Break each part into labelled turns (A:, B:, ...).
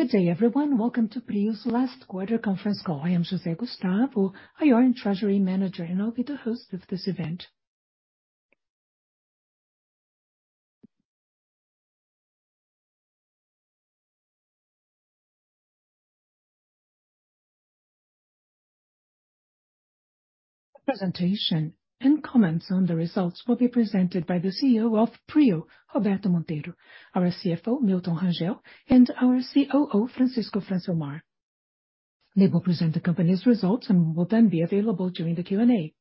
A: Good day, everyone. Welcome to PRIO's last quarter conference call. I am Jose Gustavo, IR and Treasury Manager, and I'll be the host of this event. The presentation and comments on the results will be presented by the CEO of PRIO, Roberto Monteiro, our CFO, Milton Rangel, and our COO, Francisco Francilmar Fernandes. They will present the company's results and will then be available during the Q&A.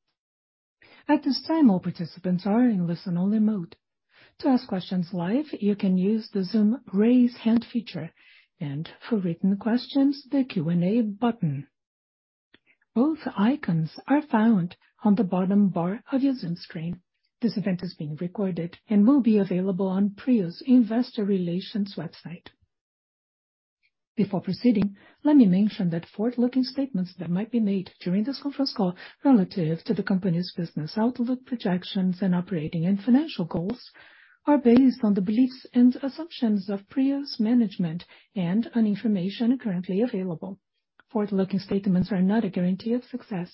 A: At this time, all participants are in listen-only mode. To ask questions live, you can use the Zoom raise hand feature, and for written questions, the Q&A button. Both icons are found on the bottom bar of your Zoom screen. This event is being recorded and will be available on PRIO's investor relations website. Before proceeding, let me mention that forward-looking statements that might be made during this conference call relative to the company's business outlook projections and operating and financial goals are based on the beliefs and assumptions of PRIO's management and on information currently available. Forward-looking statements are not a guarantee of success.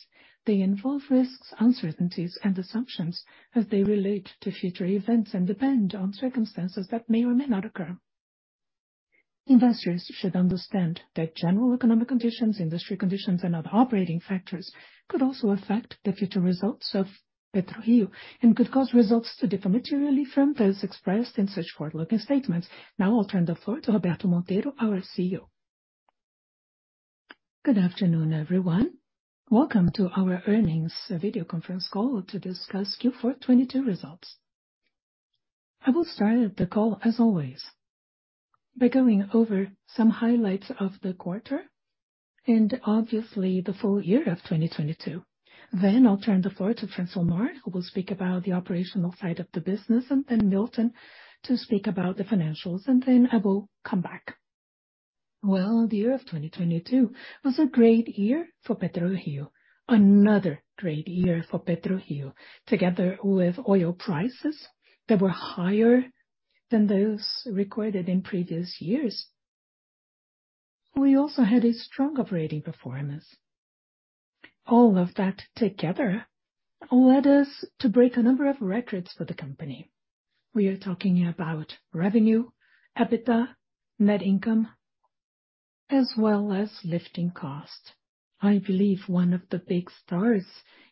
A: They involve risks, uncertainties, and assumptions as they relate to future events and depend on circumstances that may or may not occur. Investors should understand that general economic conditions, industry conditions, and other operating factors could also affect the future results of PetroRio and could cause results to differ materially from those expressed in such forward-looking statements. I'll turn the floor to Roberto Monteiro, our CEO.
B: Good afternoon, everyone. Welcome to our earnings video conference call to discuss Q4 2022 results. I will start the call as always by going over some highlights of the quarter and obviously the full year of 2022.Then I'll turn the floor to Francilmar Fernandes, who will speak about the operational side of the business, and then Milton Rangel to speak about the financials, and then I will come back. Well, the year of 2022 was a great year for PetroRio. Another great year for PetroRio. Together with oil prices that were higher than those recorded in previous years, we also had a strong operating performance. All of that together led us to break a number of records for the company. We are talking about revenue, EBITDA, net income, as well as lifting cost. I believe one of the big stars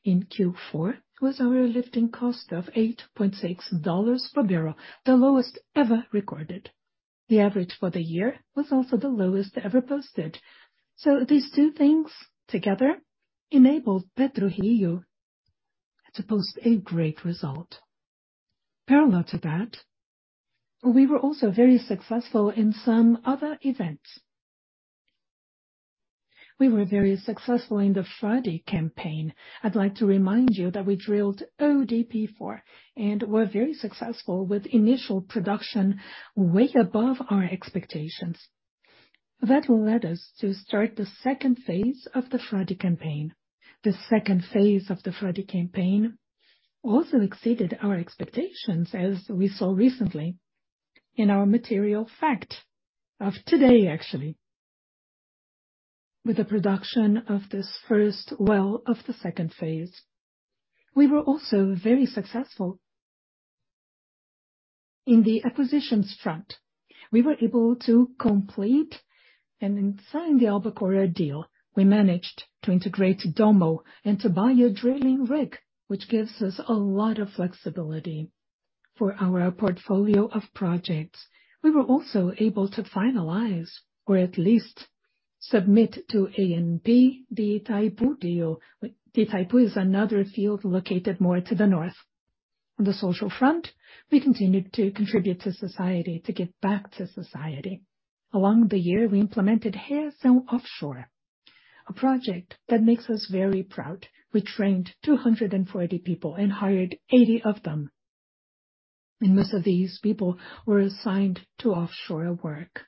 B: in Q4 was our lifting cost of $8.6 per barrel, the lowest ever recorded. The average for the year was also the lowest ever posted. These two things together enabled PetroRio to post a great result. Parallel to that, we were also very successful in some other events. We were very successful in the Frade campaign. I'd like to remind you that we drilled ODP4 and were very successful with initial production way above our expectations. That led us to start the second phase of the Frade campaign. The second phase of the Frade campaign also exceeded our expectations, as we saw recently in our material fact of today, actually, with the production of this first well of the second phase. We were also very successful in the acquisitions front. We were able to complete and sign the Albacora deal. We managed to integrate Dommo and to buy a drilling rig, which gives us a lot of flexibility for our portfolio of projects. We were also able to finalize or at least submit to ANP the Itaipu deal. Itaipu is another field located more to the north. On the social front, we continued to contribute to society, to give back to society. Along the year, we implemented Reação Offshore, a project that makes us very proud. We trained 240 people and hired 80 of them, and most of these people were assigned to offshore work.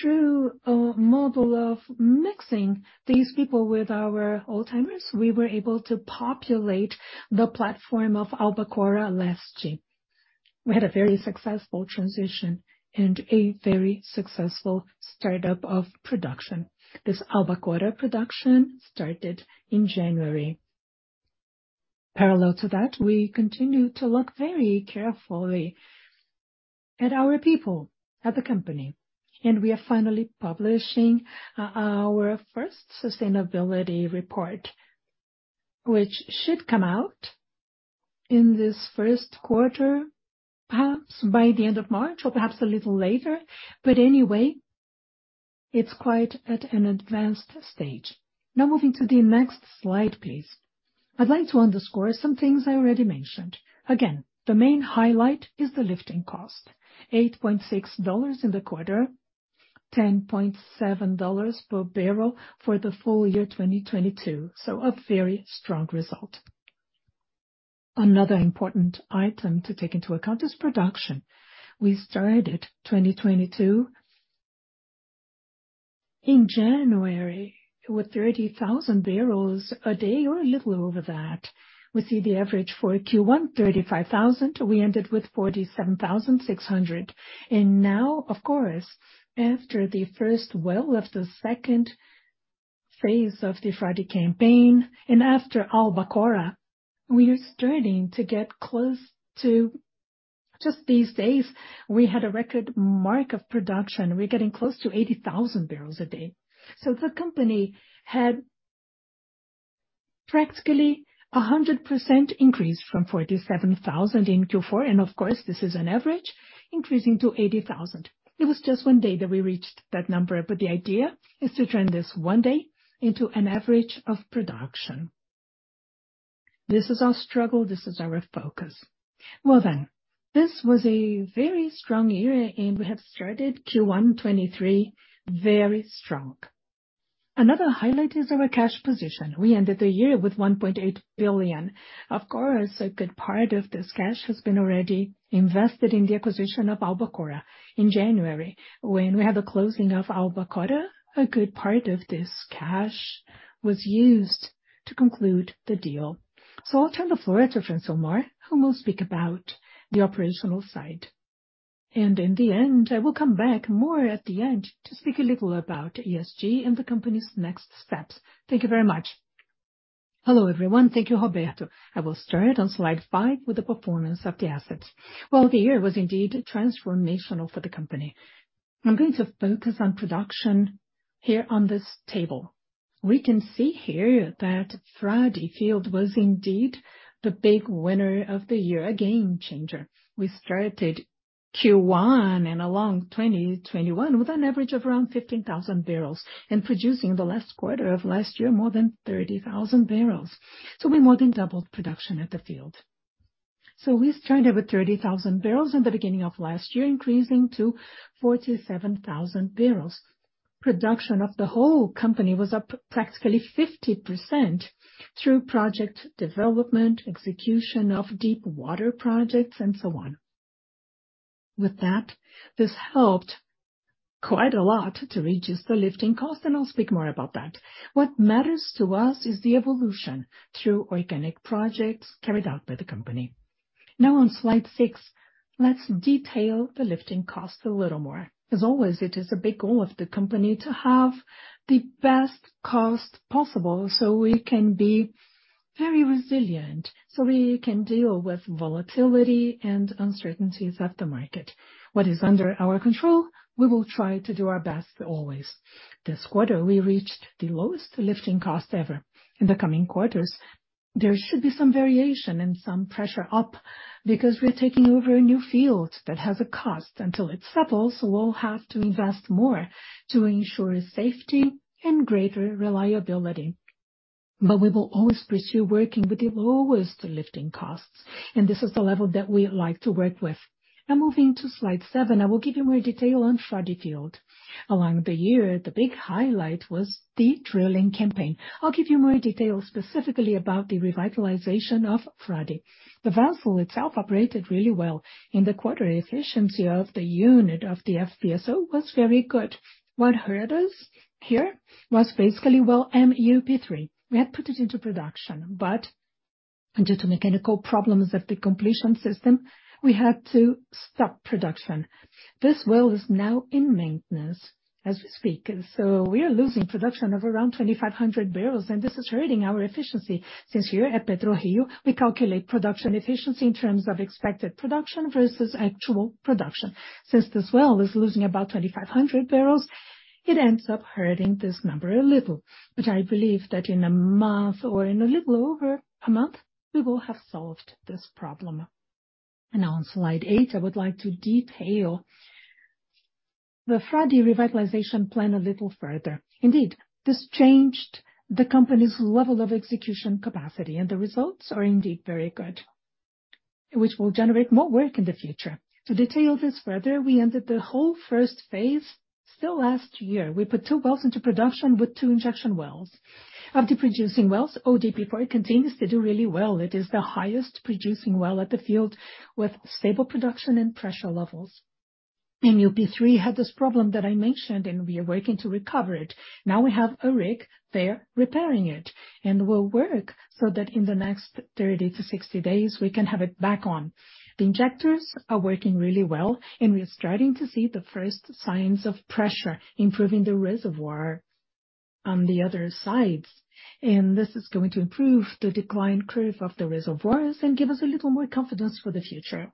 B: Through a model of mixing these people with our old-timers, we were able to populate the platform of Albacora Leste. We had a very successful transition and a very successful startup of production. This Albacora production started in January. Parallel to that, we continue to look very carefully at our people at the company, and we are finally publishing our first sustainability report, which should come out in this first quarter, perhaps by the end of March or perhaps a little later. Anyway, it's quite at an advanced stage. Moving to the next slide, please. I'd like to underscore some things I already mentioned. The main highlight is the lifting cost. $8.6 in the quarter, $10.7 per barrel for the full year 2022. A very strong result. Another important item to take into account is production. We started 2022 in January, it was 30,000 barrels a day or a little over that. We see the average for Q1 35,000. We ended with 47,600. Of course, after the first well of the second phase of the Frade campaign and after Albacora, we are starting to get close to. Just these days we had a record mark of production. We're getting close to 80,000 barrels a day. The company had practically a 100% increase from 47,000 in Q4. Of course, this is an average increasing to 80,000. It was just one day that we reached that number. The idea is to turn this one day into an average of production. This is our struggle, this is our focus. This was a very strong year and we have started Q1 2023 very strong. Another highlight is our cash position. We ended the year with $1.8 billion. A good part of this cash has been already invested in the acquisition of Albacora in January. When we had the closing of Albacora, a good part of this cash was used to conclude the deal. I'll turn the floor to Francimar, who will speak about the operational side. In the end, I will come back more at the end to speak a little about ESG and the company's next steps.
C: Thank you very much. Hello everyone. Thank you, Roberto. I will start on slide 5 with the performance of the assets. Well, the year was indeed transformational for the company. I'm going to focus on production here on this table. We can see here that Frade field was indeed the big winner of the year, a game changer. We started Q1 and along 2021 with an average of around 15,000 barrels and producing the last quarter of last year more than 30,000 barrels. We more than doubled production at the field. We started with 30,000 barrels in the beginning of last year, increasing to 47,000 barrels. Production of the whole company was up practically 50% through project development, execution of deepwater projects and so on. With that, this helped quite a lot to reduce the lifting cost, and I'll speak more about that. What matters to us is the evolution through organic projects carried out by the company. On slide 6, let's detail the lifting cost a little more. As always, it is a big goal of the company to have the best cost possible so we can be very resilient, so we can deal with volatility and uncertainties of the market. What is under our control, we will try to do our best always. This quarter we reached the lowest lifting cost ever. In the coming quarters, there should be some variation and some pressure up because we're taking over a new field that has a cost until it settles. We'll have to invest more to ensure safety and greater reliability. We will always pursue working with the lowest lifting costs and this is the level that we like to work with. Moving to slide 7, I will give you more detail on Frade field. Along the year, the big highlight was the drilling campaign. I'll give you more detail specifically about the revitalization of Frade. The vessel itself operated really well in the quarter. Efficiency of the unit of the FPSO was very good. What hurt us here was basically well MUP3. We had put it into production, due to mechanical problems at the completion system, we had to stop production. This well is now in maintenance as we speak. We are losing production of around 2,500 barrels and this is hurting our efficiency since here at PetroRio we calculate production efficiency in terms of expected production versus actual production. Since this well is losing about 2,500 barrels, it ends up hurting this number a little. I believe that in a month or in a little over a month we will have solved this problem. Now on slide 8, I would like to detail the Frade revitalization plan a little further. Indeed, this changed the company's level of execution capacity and the results are indeed very good, which will generate more work in the future. To detail this further, we ended the whole first phase still last year. We put 2 wells into production with 2 injection wells. Of the producing wells, ODP4 continues to do really well. It is the highest producing well at the field with stable production and pressure levels. MUP3 had this problem that I mentioned and we are working to recover it. We have a rig there repairing it and will work so that in the next 30 to 60 days we can have it back on. The injectors are working really well and we are starting to see the first signs of pressure improving the reservoir on the other sides. This is going to improve the decline curve of the reservoirs and give us a little more confidence for the future.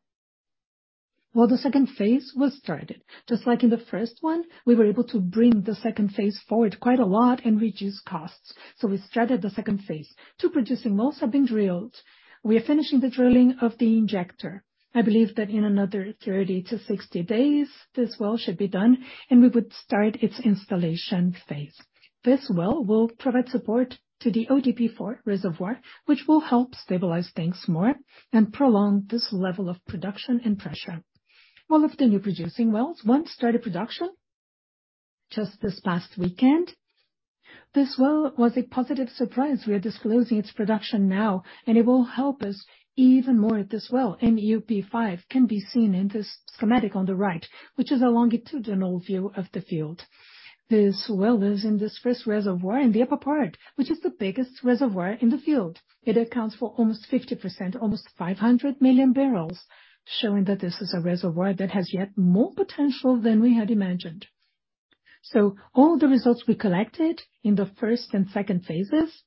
C: Well, the second phase was started. Just like in the first one we were able to bring the second phase forward quite a lot and reduce costs. We started the second phase. Two producing wells have been drilled. We are finishing the drilling of the injector. I believe that in another 30-60 days this well should be done and we would start its installation phase. This well will provide support to the ODP4 reservoir which will help stabilize things more and prolong this level of production and pressure. Well of the new producing wells, one started production just this past weekend. This well was a positive surprise. We are disclosing its production now, and it will help us even more at this well. MUP5 can be seen in this schematic on the right, which is a longitudinal view of the field. This well is in this first reservoir in the upper part, which is the biggest reservoir in the field. It accounts for almost 50%, almost 500 million barrels, showing that this is a reservoir that has yet more potential than we had imagined. All the results we collected in the first and second phases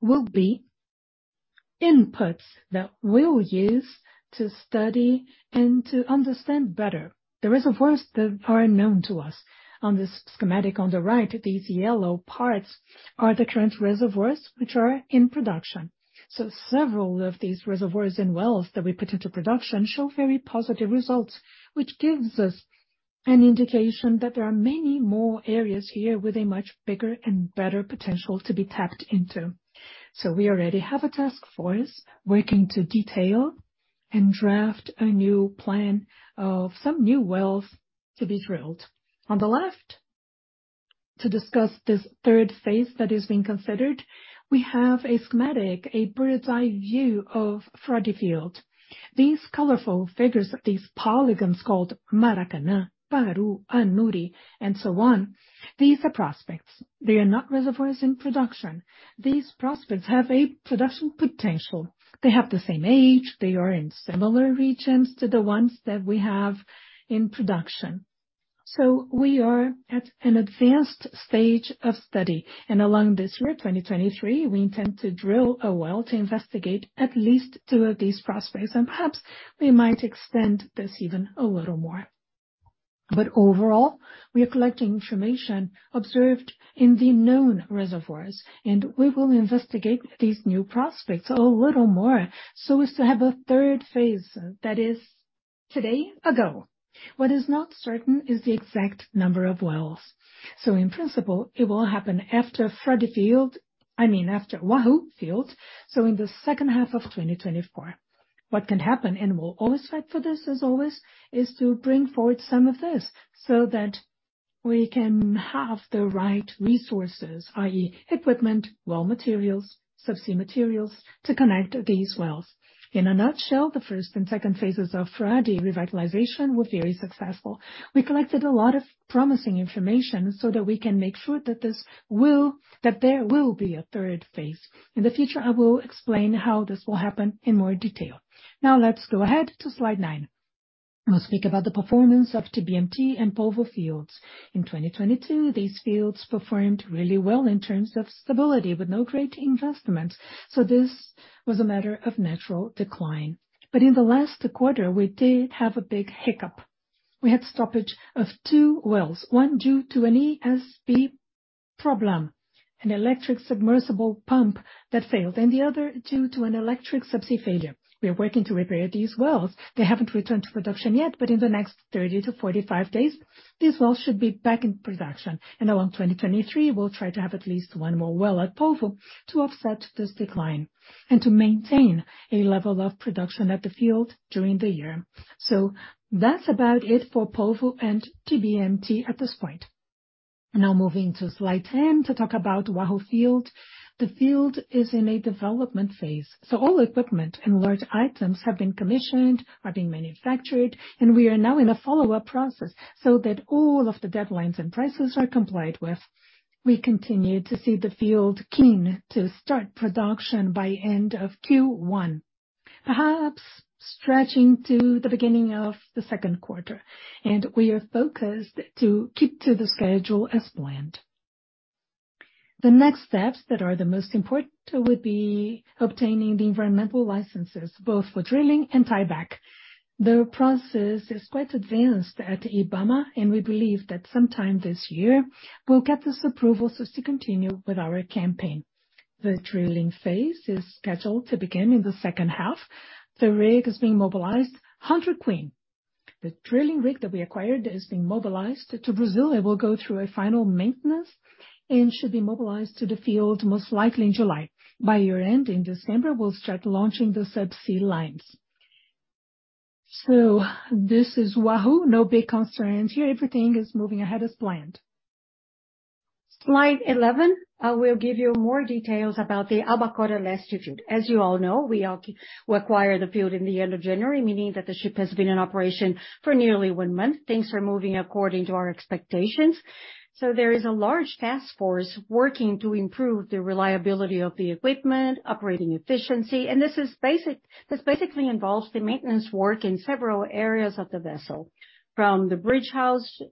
C: will be inputs that we'll use to study and to understand better the reservoirs that are known to us. On this schematic on the right, these yellow parts are the current reservoirs which are in production. Several of these reservoirs and wells that we put into production show very positive results, which gives us an indication that there are many more areas here with a much bigger and better potential to be tapped into. We already have a task force working to detail and draft a new plan of some new wells to be drilled. On the left to discuss this third phase that is being considered, we have a schematic, a bird's-eye view of Frade field. These colorful figures, these polygons called Maracanã, Paru, Anuri, and so on, these are prospects. They are not reservoirs in production. These prospects have a production potential. They have the same age. They are in similar regions to the ones that we have in production. We are at an advanced stage of study, and along this year, 2023, we intend to drill a well to investigate at least 2 of these prospects, and perhaps we might extend this even a little more. Overall, we are collecting information observed in the known reservoirs, and we will investigate these new prospects a little more so as to have a third phase that is today a go. What is not certain is the exact number of wells. In principle, it will happen I mean, after Wahoo field, so in the second half of 2024. What can happen, and we'll always fight for this as always, is to bring forward some of this so that we can have the right resources, i.e., equipment, well materials, subsea materials, to connect these wells. In a nutshell, the first and second phases of Frade revitalization were very successful. We collected a lot of promising information so that we can make sure that there will be a third phase. In the future, I will explain how this will happen in more detail. Let's go ahead to slide nine. We'll speak about the performance of TBMT and Polvo fields. In 2022, these fields performed really well in terms of stability with no great investments, this was a matter of natural decline. In the last quarter, we did have a big hiccup. We had stoppage of two wells, one due to an ESP problem, an electric submersible pump that failed, and the other due to an electric subsea failure. We are working to repair these wells. They haven't returned to production yet, but in the next 30 to 45 days, these wells should be back in production. Along 2023, we'll try to have at least one more well at Polvo to offset this decline and to maintain a level of production at the field during the year. That's about it for Polvo and TBMT at this point. Moving to slide 10 to talk about Wahoo field. The field is in a development phase, so all equipment and large items have been commissioned, are being manufactured, and we are now in a follow-up process so that all of the deadlines and prices are complied with. We continue to see the field keen to start production by end of Q1, perhaps stretching to the beginning of the second quarter, and we are focused to keep to the schedule as planned. The next steps that are the most important would be obtaining the environmental licenses, both for drilling and tieback. We believe that sometime this year we'll get this approval so as to continue with our campaign. The drilling phase is scheduled to begin in the second half. The rig is being mobilized, Hunter Queen. The drilling rig that we acquired is being mobilized to Brazil. It will go through a final maintenance and should be mobilized to the field most likely in July. By year-end, in December, we'll start launching the subsea lines. This is Wahoo. No big concerns here. Everything is moving ahead as planned. Slide 11, I will give you more details about the Albacora Leste field. As you all know, we acquire the field in the end of January, meaning that the ship has been in operation for nearly one month. Things are moving according to our expectations. There is a large task force working to improve the reliability of the equipment, operating efficiency. This basically involves the maintenance work in several areas of the vessel, from the bridge house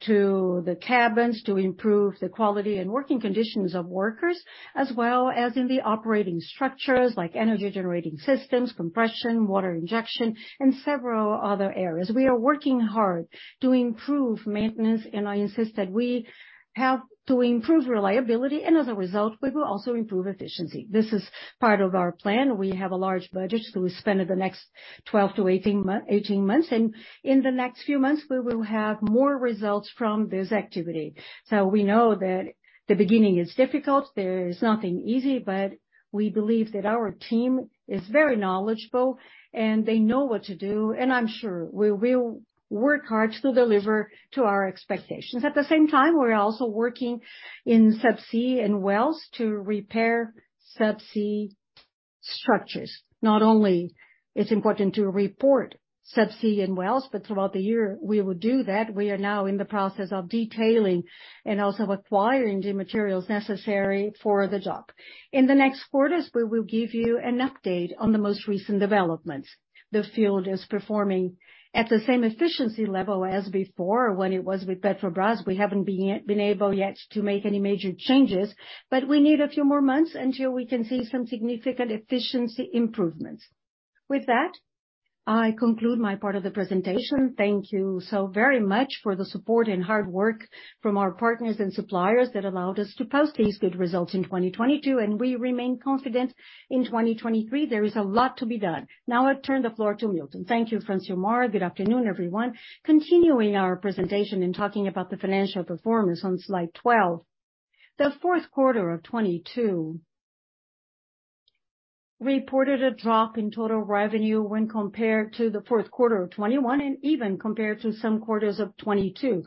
C: to the cabins to improve the quality and working conditions of workers, as well as in the operating structures like energy generating systems, compression, water injection, and several other areas. We are working hard to improve maintenance. I insist that we have to improve reliability. As a result, we will also improve efficiency. This is part of our plan. We have a large budget to spend in the next 12 to 18 months, and in the next few months, we will have more results from this activity. We know that the beginning is difficult. There is nothing easy, but we believe that our team is very knowledgeable, and they know what to do, and I'm sure we will work hard to deliver to our expectations. At the same time, we're also working in subsea and wells to repair. Structures. Not only it's important to report sub C and wells, but throughout the year we will do that. We are now in the process of detailing and also acquiring the materials necessary for the job. In the next quarters, we will give you an update on the most recent developments. The field is performing at the same efficiency level as before when it was with Petrobras. We haven't been able yet to make any major changes, but we need a few more months until we can see some significant efficiency improvements. With that, I conclude my part of the presentation. Thank you so very much for the support and hard work from our partners and suppliers that allowed us to post these good results in 2022, and we remain confident in 2023. There is a lot to be done. Now I turn the floor to Milton.
D: Thank you, Francilmar. Good afternoon, everyone. Continuing our presentation and talking about the financial performance on slide 12. The fourth quarter of 22 reported a drop in total revenue when compared to the fourth quarter of 2021, and even compared to some quarters of 2022.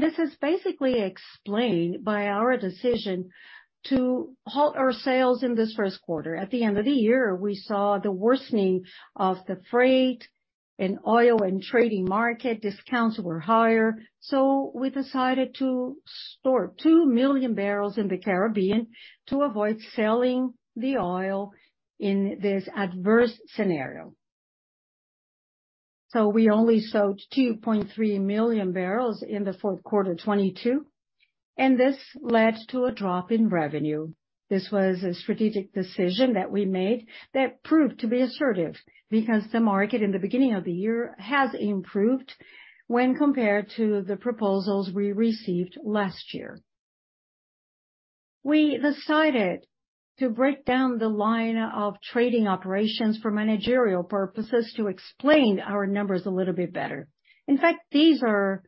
D: This is basically explained by our decision to halt our sales in this first quarter. At the end of the year, we saw the worsening of the freight in oil and trading market. Discounts were higher. We decided to store 2 million barrels in the Caribbean to avoid selling the oil in this adverse scenario. We only sold 2.3 million barrels in the fourth quarter of 2022, and this led to a drop in revenue. This was a strategic decision that we made that proved to be assertive, because the market in the beginning of the year has improved when compared to the proposals we received last year. We decided to break down the line of trading operations for managerial purposes to explain our numbers a little bit better. In fact, these are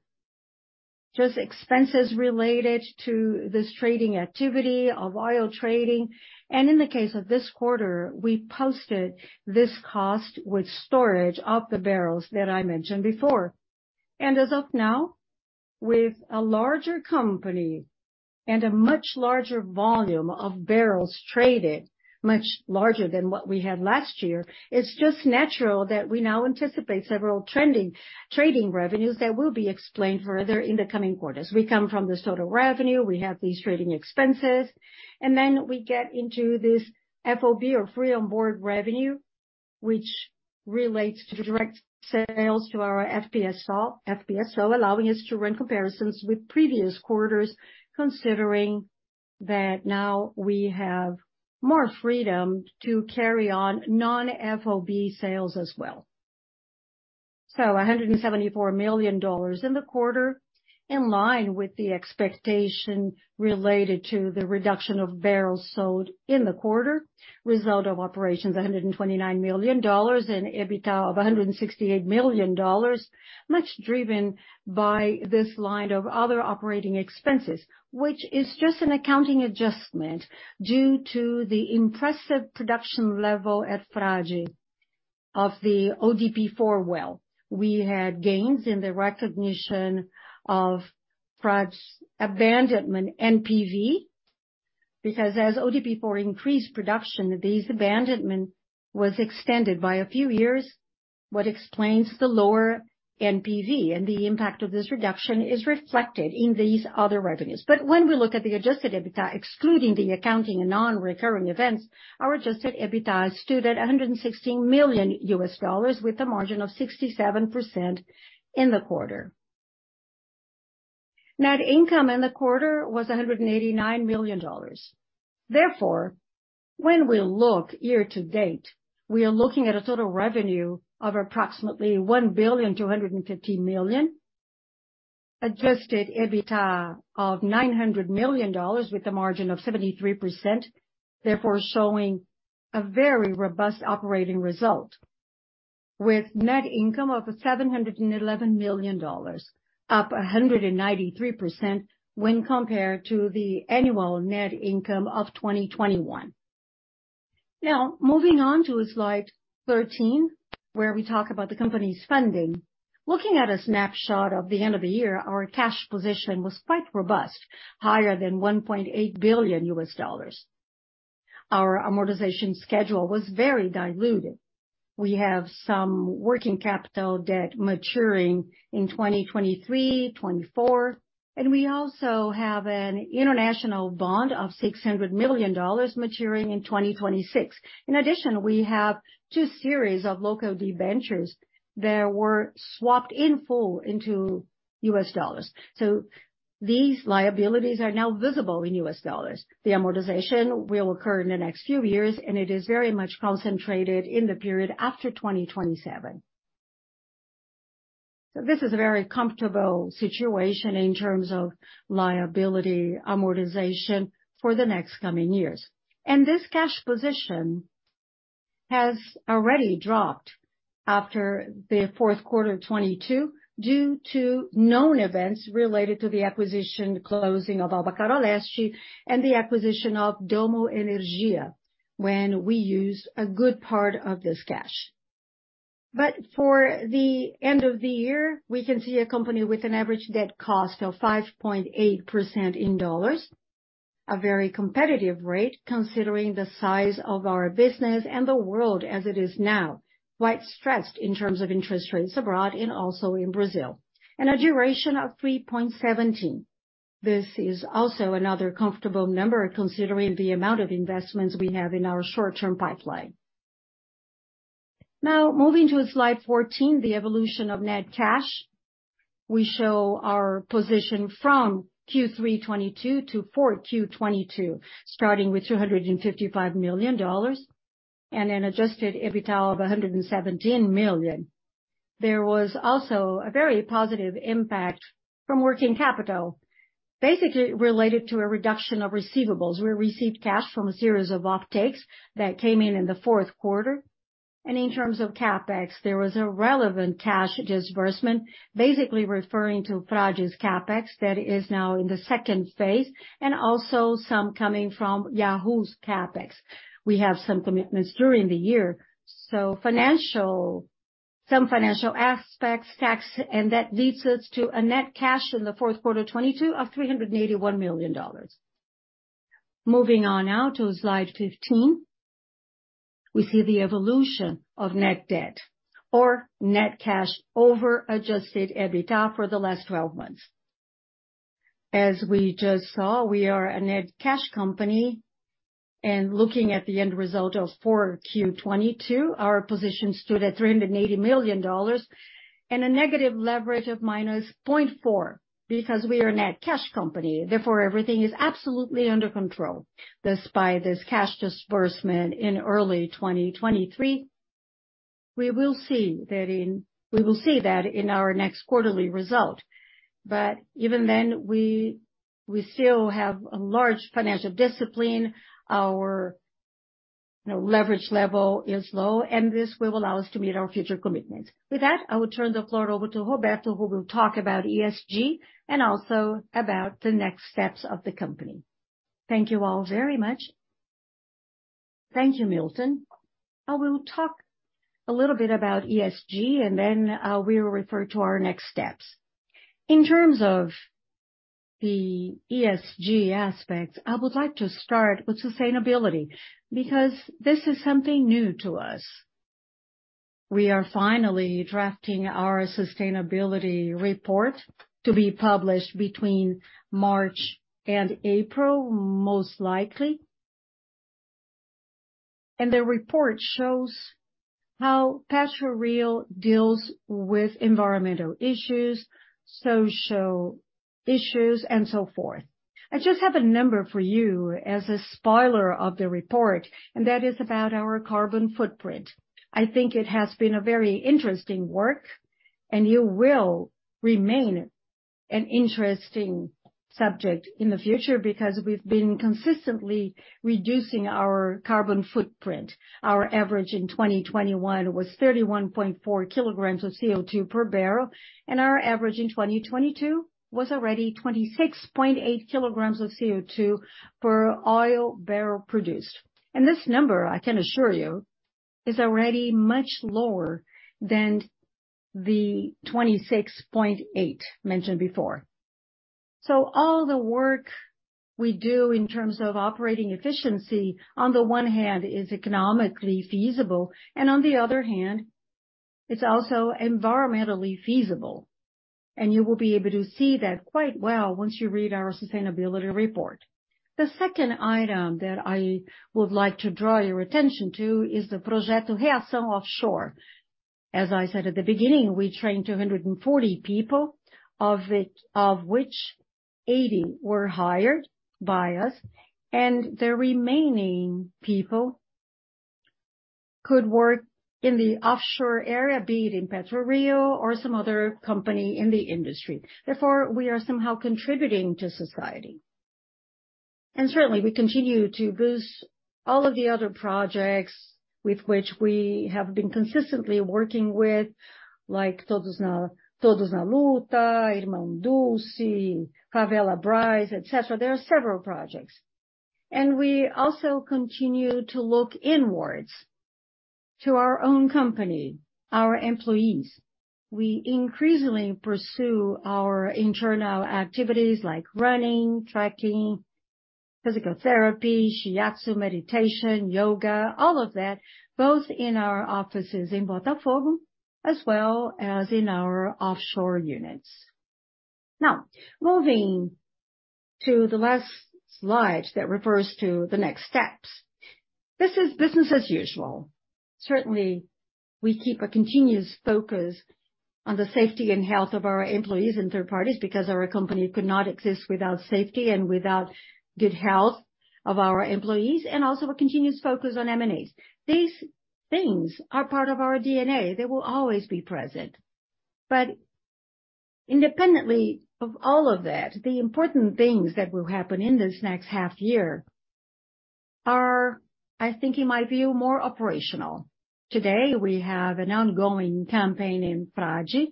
D: just expenses related to this trading activity of oil trading. In the case of this quarter, we posted this cost with storage of the barrels that I mentioned before. As of now, with a larger company and a much larger volume of barrels traded, much larger than what we had last year, it's just natural that we now anticipate several trending trading revenues that will be explained further in the coming quarters. We come from this total revenue, we have these trading expenses, we get into this FOB or free on board revenue, which relates to direct sales to our FPSO, allowing us to run comparisons with previous quarters, considering that now we have more freedom to carry on non-FOB sales as well. $174 million in the quarter, in line with the expectation related to the reduction of barrels sold in the quarter. Result of operations, $129 million, and EBITDA of $168 million, much driven by this line of other operating expenses, which is just an accounting adjustment due to the impressive production level at Frade of the ODP4 well. We had gains in the recognition of Frade's abandonment NPV, because as ODP4 increased production, this abandonment was extended by a few years, what explains the lower NPV and the impact of this reduction is reflected in these other revenues. When we look at the Adjusted EBITDA, excluding the accounting and non-recurring events, our Adjusted EBITDA stood at $116 million with a margin of 67% in the quarter. Net income in the quarter was $189 million. When we look year to date, we are looking at a total revenue of approximately $1.25 billion. Adjusted EBITDA of $900 million with a margin of 73%, therefore showing a very robust operating result with net income of $711 million, up 193% when compared to the annual net income of 2021. Moving on to slide 13, where we talk about the company's funding. Looking at a snapshot of the end of the year, our cash position was quite robust, higher than $1.8 billion. Our amortization schedule was very diluted. We have some working capital debt maturing in 2023, 2024, and we also have an international bond of $600 million maturing in 2026. In addition, we have two series of local debentures that were swapped in full into US dollars. These liabilities are now visible in US dollars. The amortization will occur in the next few years, and it is very much concentrated in the period after 2027. This is a very comfortable situation in terms of liability amortization for the next coming years. This cash position has already dropped after the fourth quarter of 2022 due to known events related to the acquisition closing of Albacora Leste and the acquisition of Dommo Energia when we used a good part of this cash. For the end of the year, we can see a company with an average debt cost of 5.8% in dollars. A very competitive rate considering the size of our business and the world as it is now, quite stressed in terms of interest rates abroad and also in Brazil. A duration of 3.17. This is also another comfortable number considering the amount of investments we have in our short-term pipeline. Moving to slide 14, the evolution of net cash. We show our position from Q3 2022 to 4Q 2022, starting with $255 million and an A djusted EBITDA of $117 million. There was also a very positive impact from working capital, basically related to a reduction of receivables. We received cash from a series of offtakes that came in in the fourth quarter. In terms of CapEx, there was a relevant cash disbursement basically referring to Frade's CapEx that is now in the second phase, also some coming from Wahoo's CapEx. We have some commitments during the year. Financial... Some financial aspects, tax, that leads us to a net cash in the fourth quarter 2022 of $381 million. Moving on now to slide 15. We see the evolution of net debt or net cash over Adjusted EBITDA for the last 12 months. As we just saw, we are a net cash company, and looking at the end result of 4Q 2022, our position stood at $380 million and a negative leverage of -0.4, because we are a net cash company, therefore everything is absolutely under control, despite this cash disbursement in early 2023. We will see that in our next quarterly result. Even then, we still have a large financial discipline. Our, you know, leverage level is low, and this will allow us to meet our future commitments. With that, I will turn the floor over to Roberto, who will talk about ESG and also about the next steps of the company. Thank you all very much.
B: Thank you, Milton. I will talk a little bit about ESG, and then, we will refer to our next steps. In terms of the ESG aspects, I would like to start with sustainability, because this is something new to us. We are finally drafting our sustainability report to be published between March and April, most likely. The report shows how PRIO deals with environmental issues, social issues, and so forth. I just have a number for you as a spoiler of the report, and that is about our carbon footprint. I think it has been a very interesting work, and it will remain an interesting subject in the future because we've been consistently reducing our carbon footprint. Our average in 2021 was 31.4 kilograms of CO2 per barrel, our average in 2022 was already 26.8 kilograms of CO2 per oil barrel produced. This number, I can assure you, is already much lower than the 26.8 mentioned before. All the work we do in terms of operating efficiency on the one hand is economically feasible, and on the other hand, it's also environmentally feasible. You will be able to see that quite well once you read our sustainability report. The second item that I would like to draw your attention to is the Projeto Reação Offshore. As I said at the beginning, we trained 240 people, of which 80 were hired by us, and the remaining people could work in the offshore area, be it in PRIO or some other company in the industry. We are somehow contributing to society. Certainly, we continue to boost all of the other projects with which we have been consistently working with, like Todos na Luta, Irmã Dulce, Favela Brás, et cetera. There are several projects. We also continue to look inwards to our own company, our employees. We increasingly pursue our internal activities like running, trekking, physical therapy, shiatsu, meditation, yoga, all of that, both in our offices in Botafogo as well as in our offshore units. Moving to the last slide that refers to the next steps. This is business as usual. Certainly, we keep a continuous focus on the safety and health of our employees and third parties because our company could not exist without safety and without good health of our employees, and also a continuous focus on M&As. These things are part of our DNA. They will always be present. Independently of all of that, the important things that will happen in this next half year are, I think, in my view, more operational. Today, we have an ongoing campaign in Frade.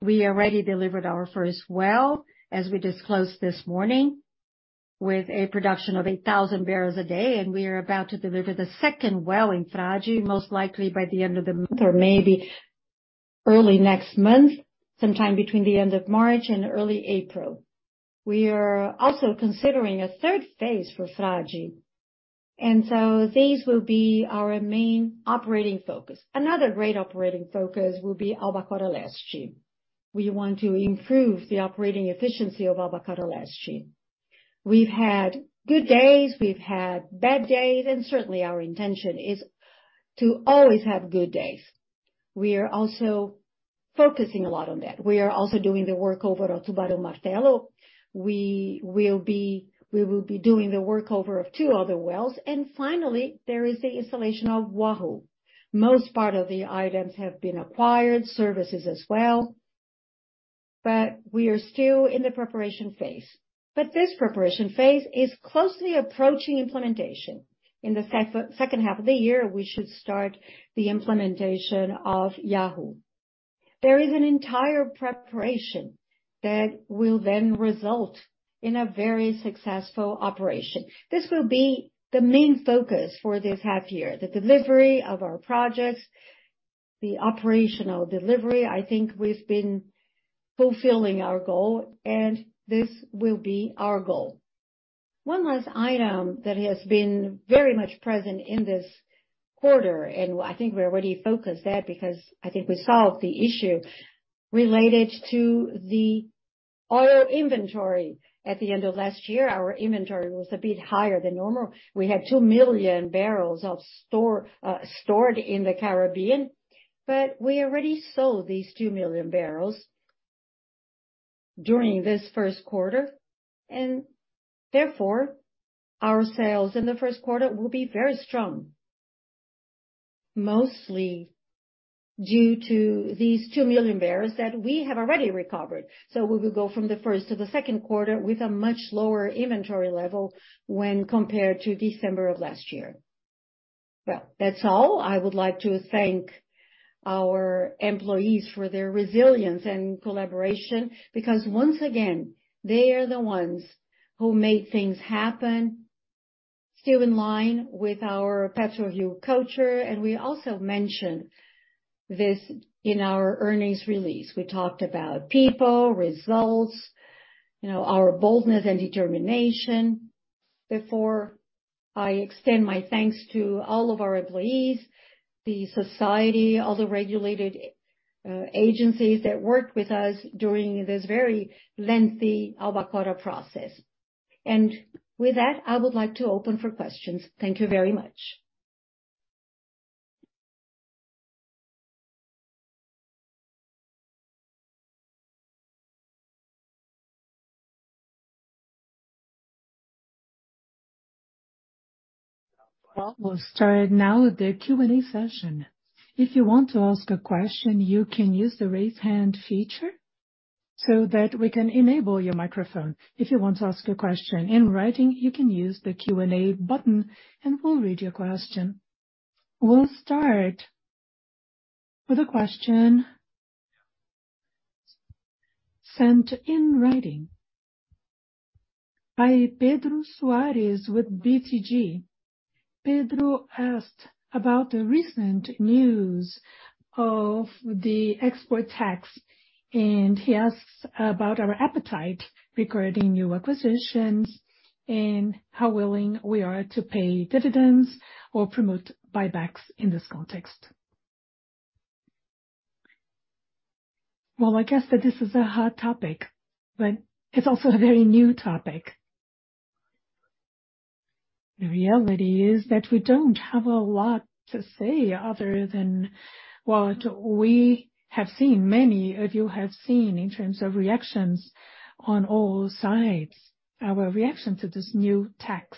B: We already delivered our first well, as we disclosed this morning. With a production of 8,000 barrels a day, we are about to deliver the second well in Frade, most likely by the end of the month or maybe early next month, sometime between the end of March and early April. We are also considering a third phase for Frade, these will be our main operating focus. Another great operating focus will be Albacora Leste. We want to improve the operating efficiency of Albacora Leste. We've had good days, we've had bad days, certainly our intention is to always have good days. We are also focusing a lot on that. We are also doing the workover at Tubarão Martelo. We will be doing the workover of 2 other wells. Finally, there is the installation of Wahoo. Most part of the items have been acquired, services as well, we are still in the preparation phase. This preparation phase is closely approaching implementation. In the second half of the year, we should start the implementation of Wahoo. There is an entire preparation that will then result in a very successful operation. This will be the main focus for this half year, the delivery of our projects, the operational delivery. I think we've been fulfilling our goal. This will be our goal. One last item that has been very much present in this quarter. I think we already focused that because I think we solved the issue related to the oil inventory. At the end of last year, our inventory was a bit higher than normal. We had 2 million barrels of store stored in the Caribbean, but we already sold these 2 million barrels during this first quarter, and therefore our sales in the first quarter will be very strong, mostly due to these 2 million barrels that we have already recovered. We will go from the first to the second quarter with a much lower inventory level when compared to December of last year. Well, that's all. I would like to thank our employees for their resilience and collaboration, because once again, they are the ones who make things happen, still in line with our Petroview culture. We also mentioned this in our earnings release. We talked about people, results, you know, our boldness and determination. Before I extend my thanks to all of our employees, the society, all the regulated agencies that worked with us during this very lengthy Albacora process. With that, I would like to open for questions. Thank you very much.
E: Well, we'll start now with the Q&A session. If you want to ask a question, you can use the raise hand feature so that we can enable your microphone. If you want to ask a question in writing, you can use the Q&A button and we'll read your question. We'll start with a question sent in writing by Pedro Soares with BTG. Pedro asked about the recent news of the export tax, and he asks about our appetite regarding new acquisitions and how willing we are to pay dividends or promote buybacks in this context.
B: Well, I guess that this is a hard topic, but it's also a very new topic. The reality is that we don't have a lot to say other than what we have seen, many of you have seen in terms of reactions on all sides, our reaction to this new tax.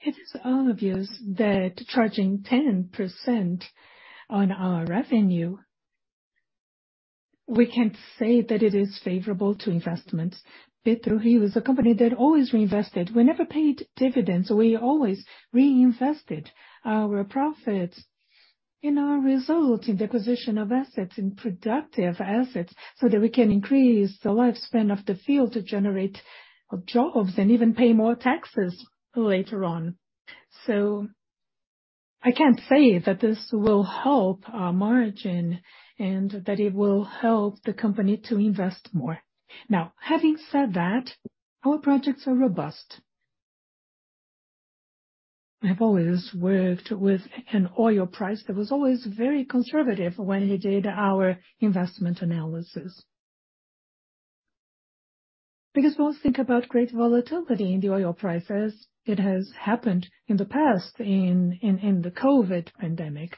B: It is obvious that charging 10% on our revenue, we can't say that it is favorable to investments. Pedro, he was a company that always reinvested. We never paid dividends. We always reinvested our profits in our result, in the acquisition of assets, in productive assets, so that we can increase the lifespan of the field to generate jobs and even pay more taxes later on. I can't say that this will help our margin and that it will help the company to invest more. Having said that, our projects are robust. I've always worked with an oil price that was always very conservative when we did our investment analysis. We also think about great volatility in the oil prices. It has happened in the past, in the COVID pandemic.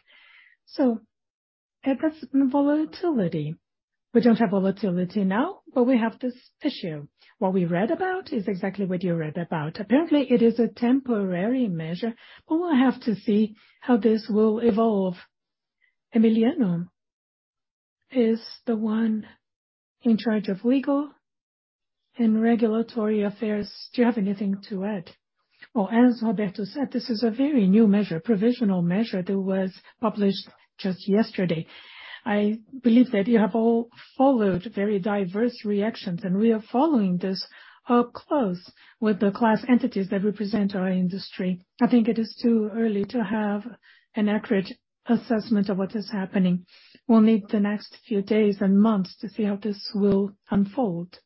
B: It brings volatility. We don't have volatility now, but we have this issue. What we read about is exactly what you read about. Apparently, it is a temporary measure. We'll have to see how this will evolve. Emiliano is the one in charge of legal and regulatory affairs. Do you have anything to add?
F: Well, as Roberto said, this is a very new provisional measure that was published just yesterday. I believe that you have all followed very diverse reactions. We are following this up close with the class entities that represent our industry. I think it is too early to have an accurate assessment of what is happening. We'll need the next few days and months to see how this will unfold.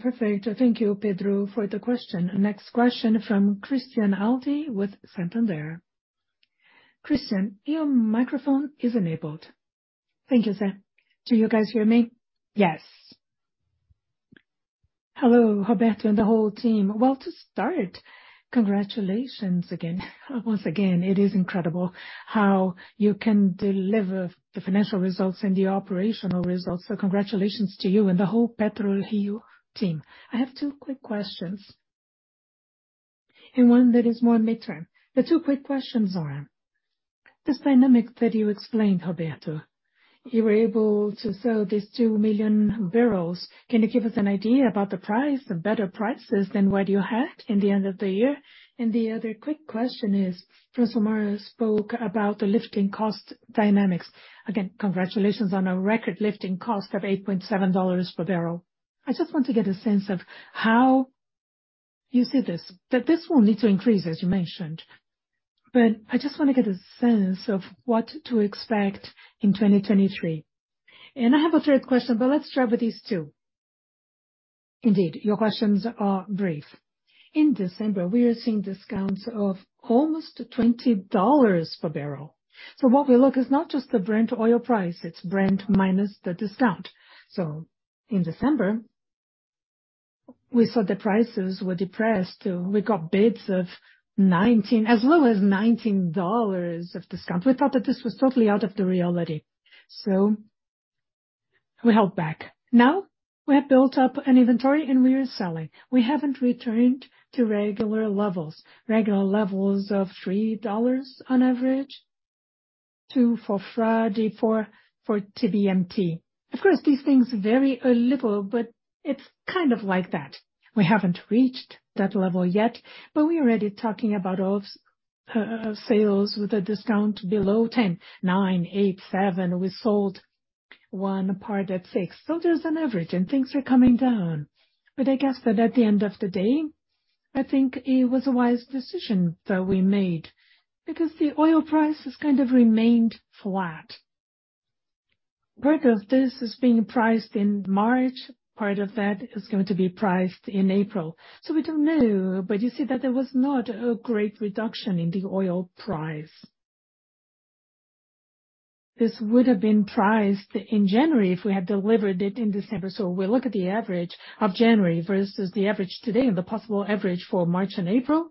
E: Perfect. Thank you, Pedro, for the question. Next question from Christian Audi with Santander. Christian, your microphone is enabled.
G: Thank you, Sam. Do you guys hear me?
E: Yes.
G: Hello, Roberto and the whole team. To start, congratulations again. Once again, it is incredible how you can deliver the financial results and the operational results. Congratulations to you and the whole PRIO team. I have two quick questions, and one that is more midterm. The two quick questions are, this dynamic that you explained, Roberto, you were able to sell these 2 million barrels. Can you give us an idea about the price? The better prices than what you had in the end of the year. The other quick question is, Francilmar spoke about the lifting cost dynamics. Again, congratulations on a record lifting cost of $8.7 per barrel. I just want to get a sense of how you see this, that this will need to increase, as you mentioned, but I just wanna get a sense of what to expect in 2023. I have a 3rd question, but let's start with these 2.
B: Indeed, your questions are brief. In December, we are seeing discounts of almost $20 per barrel. What we look is not just the Brent oil price, it's Brent minus the discount. In December, we saw the prices were depressed. We got bids as low as $19 of discount. We thought that this was totally out of the reality, so we held back. Now we have built up an inventory and we are selling. We haven't returned to regular levels, regular levels of $3 on average, $2 for Frade, $4 for TBMT. Of course, these things vary a little, but it's kind of like that. We haven't reached that level yet, but we're already talking about sales with a discount below $10, $9, $8, $7. We sold 1 part at 6. There's an average and things are coming down. I guess that at the end of the day, I think it was a wise decision that we made because the oil price has kind of remained flat. Part of this is being priced in March, part of that is going to be priced in April. We don't know. You see that there was not a great reduction in the oil price. This would have been priced in January if we had delivered it in December. We look at the average of January versus the average today and the possible average for March and April.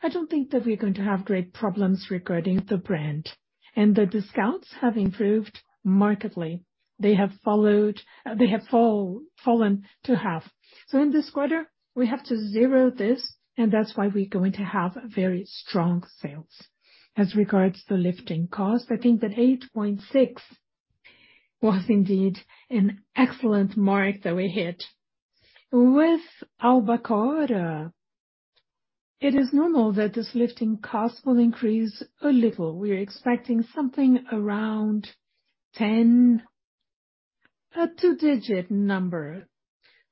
B: I don't think that we're going to have great problems regarding the Brent. The discounts have improved markedly. They have followed, they have fallen to half.
A: In this quarter we have to zero this and that's why we're going to have very strong sales. As regards to lifting costs, I think that 8.6 was indeed an excellent mark that we hit. With Albacora, it is normal that this lifting cost will increase a little. We are expecting something around 10, a two-digit number,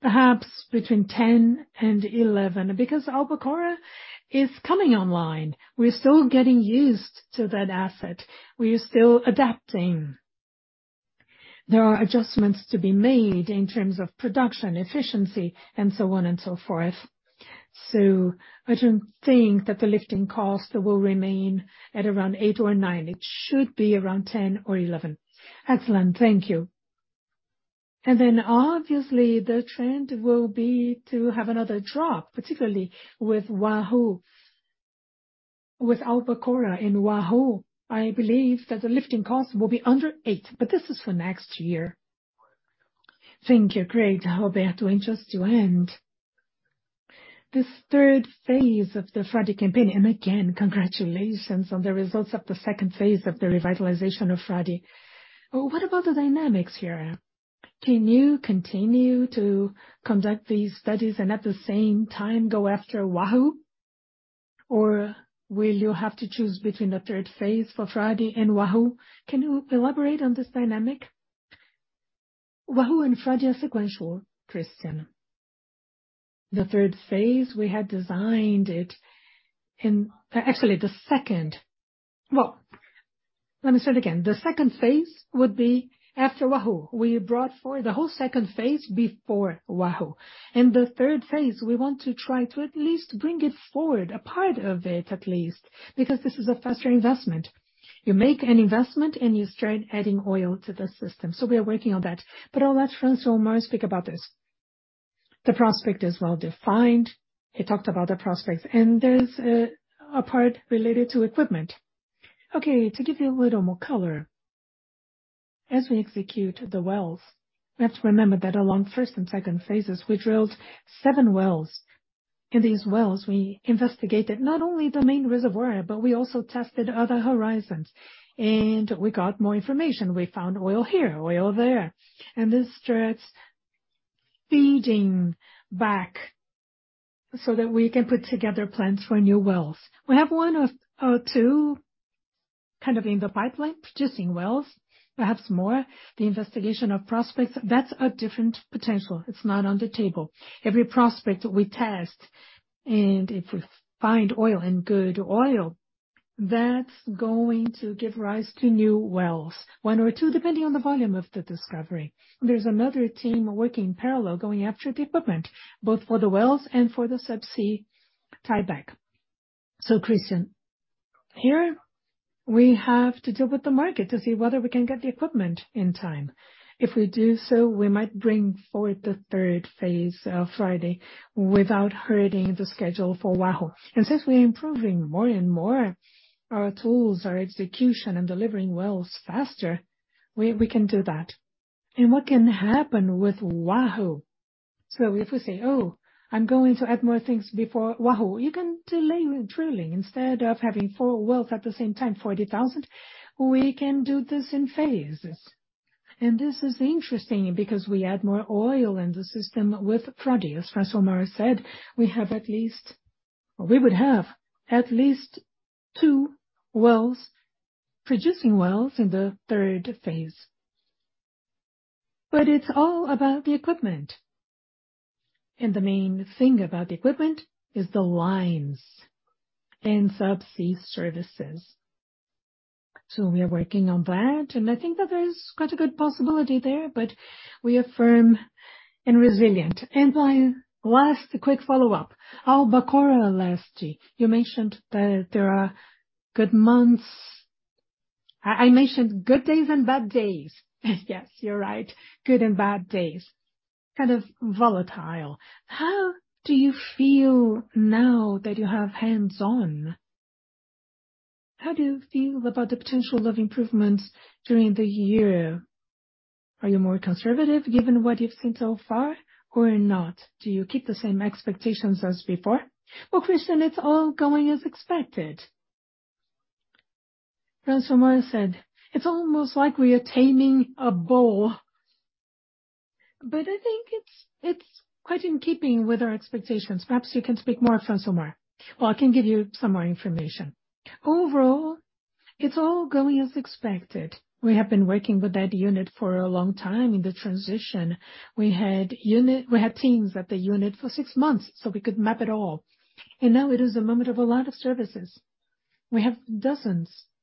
A: perhaps between 10 and 11. Albacora is coming online, we're still getting used to that asset, we are still adapting. There are adjustments to be made in terms of production efficiency and so on and so forth. I don't think that the lifting cost will remain at around 8 or 9. It should be around 10 or 11.
G: Excellent. Thank you.
B: Then obviously the trend will be to have another drop, particularly with Wahoo. With Albacora and Wahoo, I believe that the lifting costs will be under $8, this is for next year.
G: Thank you. Great, Roberto. Just to end, this third phase of the Frade campaign, again, congratulations on the results of the second phase of the revitalization of Frade. What about the dynamics here? Can you continue to conduct these studies and at the same time go after Wahoo? Will you have to choose between the third phase for Frade and Wahoo? Can you elaborate on this dynamic? Wahoo and Frade are sequential,
B: Christian. The third phase we had designed it actually the second. Well, let me start again. The second phase would be after Wahoo. We brought forward the whole second phase before Wahoo. The third phase, we want to try to at least bring it forward, a part of it at least, because this is a faster investment. You make an investment and you start adding oil to the system. We are working on that. I'll let Francilmar speak about this. The prospect is well-defined. He talked about the prospects, and there's a part related to equipment.
C: Okay, to give you a little more color, as we execute the wells, we have to remember that along first and second phases we drilled seven wells. In these wells, we investigated not only the main reservoir, but we also tested other horizons and we got more information. We found oil here, oil there, and this starts feeding back so that we can put together plans for new wells. We have one or two kind of in the pipeline, producing wells, perhaps more. The investigation of prospects, that's a different potential. It's not on the table. Every prospect we test and if we find oil and good oil, that's going to give rise to new wells, one or two depending on the volume of the discovery.
B: There's another team working parallel, going after the equipment, both for the wells and for the subsea tieback. Christian, here we have to deal with the market to see whether we can get the equipment in time. If we do so, we might bring forward the third phase of Frade without hurting the schedule for Wahoo. Since we're improving more and more our tools, our execution and delivering wells faster, we can do that. What can happen with Wahoo, so if we say, "Oh, I'm going to add more things before Wahoo," you can delay drilling. Instead of having 4 wells at the same time, 40,000, we can do this in phases. This is interesting because we add more oil in the system with Frade. As Francilmar said, we would have at least 2 wells, producing wells in the 3rd phase. It's all about the equipment, and the main thing about the equipment is the lines and subsea services. We are working on that, and I think that there's quite a good possibility there, but we are firm and resilient.
G: My last quick follow-up. Albacora last year, you mentioned that there are good months.
B: I mentioned good days and bad days. Yes, you're right, good and bad days, kind of volatile.
G: How do you feel now that you have hands-on? How do you feel about the potential of improvements during the year? Are you more conservative given what you've seen so far or not? Do you keep the same expectations as before?
B: Christian, it's all going as expected. Francilmar said it's almost like we are taming a bull, but I think it's quite in keeping with our expectations. Perhaps you can speak more, Francilmar.
C: I can give you some more information. Overall, it's all going as expected. We have been working with that unit for a long time in the transition. We had teams at the unit for six months, so we could map it all. Now it is a moment of a lot of services. We have dozens of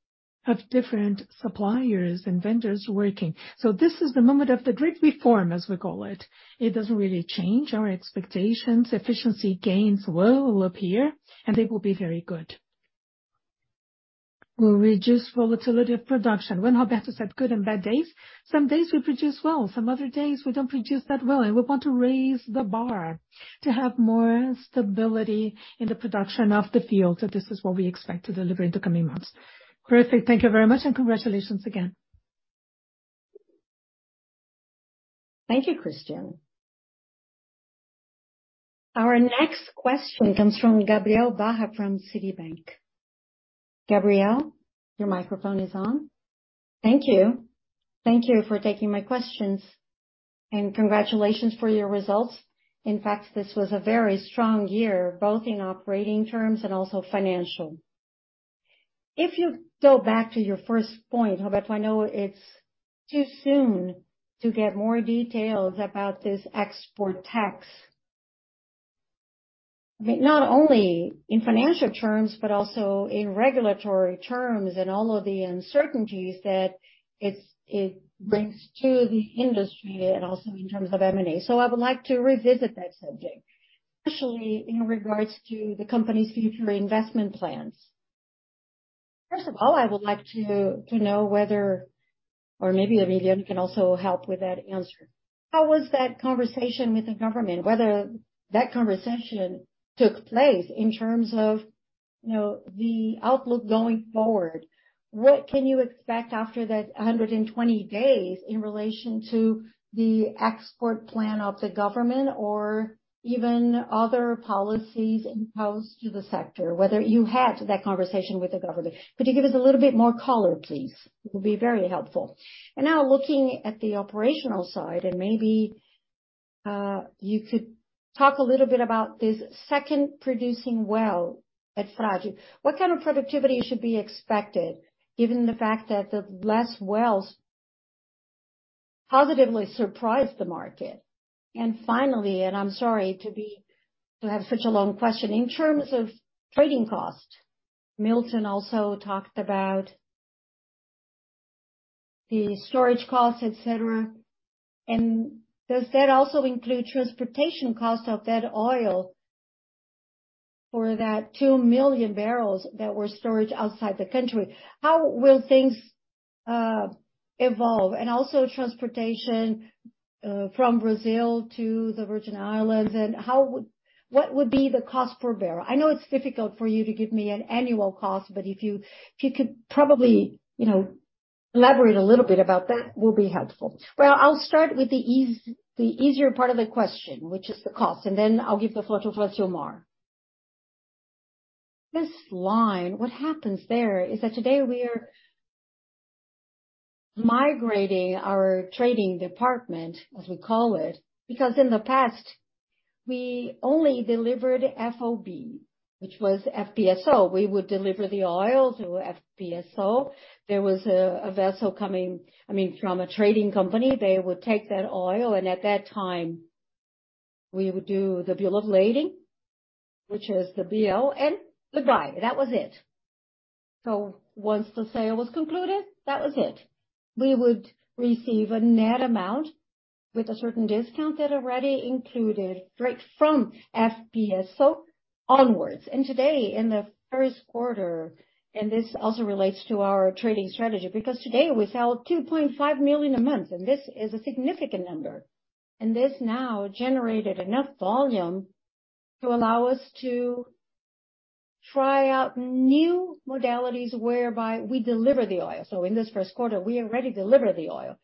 C: different suppliers and vendors working. This is the moment of the great reform, as we call it. It doesn't really change our expectations. Efficiency gains will appear, and they will be very good. We'll reduce volatility of production. When Roberto said good and bad days, some days we produce well, some other days we don't produce that well, and we want to raise the bar to have more stability in the production of the field. This is what we expect to deliver in the coming months.
G: Perfect. Thank you very much, congratulations again.
B: Thank you, Christian.
E: Our next question comes from Gabriel Barra from Citi. Gabriel, your microphone is on.
H: Thank you. Thank you for taking my questions, congratulations for your results. In fact, this was a very strong year, both in operating terms and also financial. If you go back to your first point, Roberto, I know it's too soon to get more details about this export tax. I mean, not only in financial terms but also in regulatory terms and all of the uncertainties that it brings to the industry and also in terms of M&A. I would like to revisit that subject, especially in regards to the company's future investment plans. First of all, I would like to know whether, or maybe Severian can also help with that answer, how was that conversation with the government, whether that conversation took place in terms of, you know, the outlook going forward? What can you expect after that 120 days in relation to the export plan of the government or even other policies imposed to the sector? Whether you had that conversation with the government. Could you give us a little bit more color, please? It would be very helpful. Now looking at the operational side, maybe you could talk a little bit about this second producing well at Frade. What kind of productivity should be expected given the fact that the less wells positively surprised the market? Finally, I'm sorry to have such a long question. In terms of trading costs, Milton Rangel also talked about the storage costs, et cetera. Does that also include transportation costs of that oil for that 2 million barrels that were stored outside the country? How will things evolve? Also transportation from Brazil to the Virgin Islands, what would be the cost per barrel? I know it's difficult for you to give me an annual cost, if you could probably, you know, elaborate a little bit about that will be helpful.
B: Well, I'll start with the easier part of the question, which is the cost, and then I'll give the photo for Omar. This line, what happens there is that today we are migrating our trading department, as we call it, because in the past we only delivered FOB, which was FPSO. We would deliver the oil to FPSO. There was a vessel coming, I mean, from a trading company. They would take that oil, and at that time, we would do the bill of lading, which is the BO and the buy. That was it. Once the sale was concluded, that was it. We would receive a net amount with a certain discount that already included straight from FPSO onwards. Today in the first quarter, and this also relates to our trading strategy, because today we sell $2.5 million a month, and this is a significant number. This now generated enough volume to allow us to try out new modalities whereby we deliver the oil. In this first quarter, we already delivered the oil.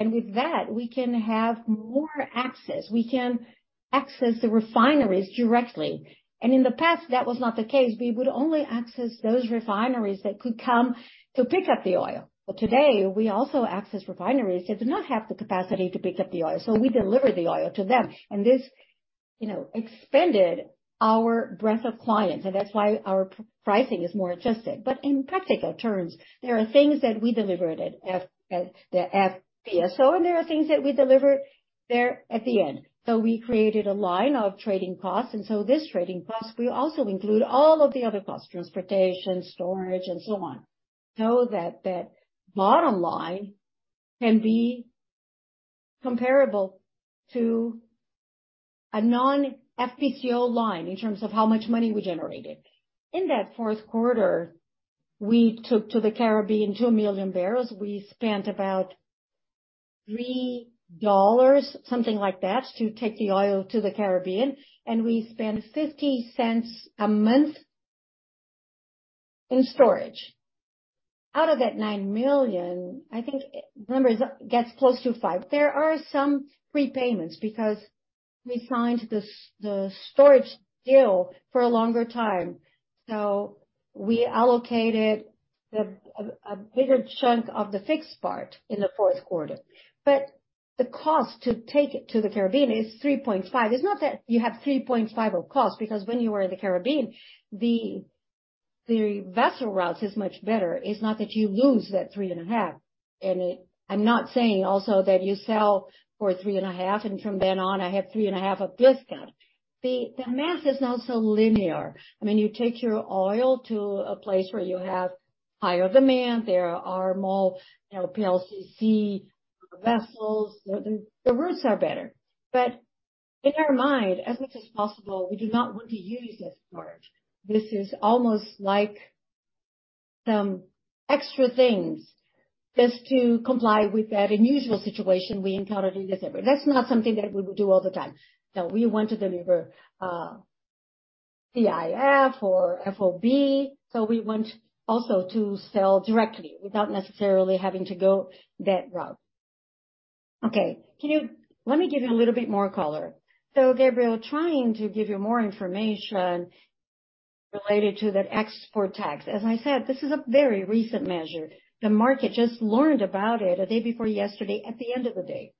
B: With that, we can have more access. We can access the refineries directly. In the past, that was not the case. We would only access those refineries that could come to pick up the oil. Today, we also access refineries that do not have the capacity to pick up the oil. We deliver the oil to them. This, you know, expanded our breadth of clients, and that's why our pricing is more adjusted. In practical terms, there are things that we delivered at FOB, at the FPSO, and there are things that we delivered there at the end. We created a line of trading costs, this trading cost will also include all of the other costs, transportation, storage, and so on. That the bottom line can be comparable to a non-FPSO line in terms of how much money we generated. In that fourth quarter, we took to the Caribbean 2 million barrels. We spent about $3, something like that, to take the oil to the Caribbean. We spent $0.50 a month in storage. Out of that $9 million, I think remember, it gets close to $5 million. There are some prepayments because we signed the storage deal for a longer time. We allocated the bigger chunk of the fixed part in the fourth quarter. The cost to take it to the Caribbean is $3.5. It's not that you have $3.5 of cost, because when you are in the Caribbean, the vessel routes is much better. It's not that you lose that $3.5. I'm not saying also that you sell for $3.5. From then on, I have $3.5 of discount. The math is not so linear. I mean, you take your oil to a place where you have higher demand. There are more, you know, PLSV vessels. The routes are better. In our mind, as much as possible, we do not want to use this storage. This is almost like some extra things just to comply with that unusual situation we encountered in December. That's not something that we would do all the time. We want to deliver CIF or FOB. We want also to sell directly without necessarily having to go that route. Okay. Let me give you a little bit more color. Gabriel, trying to give you more information related to that export tax. As I said, this is a very recent measure. The market just learned about it a day before yesterday at the end of the day.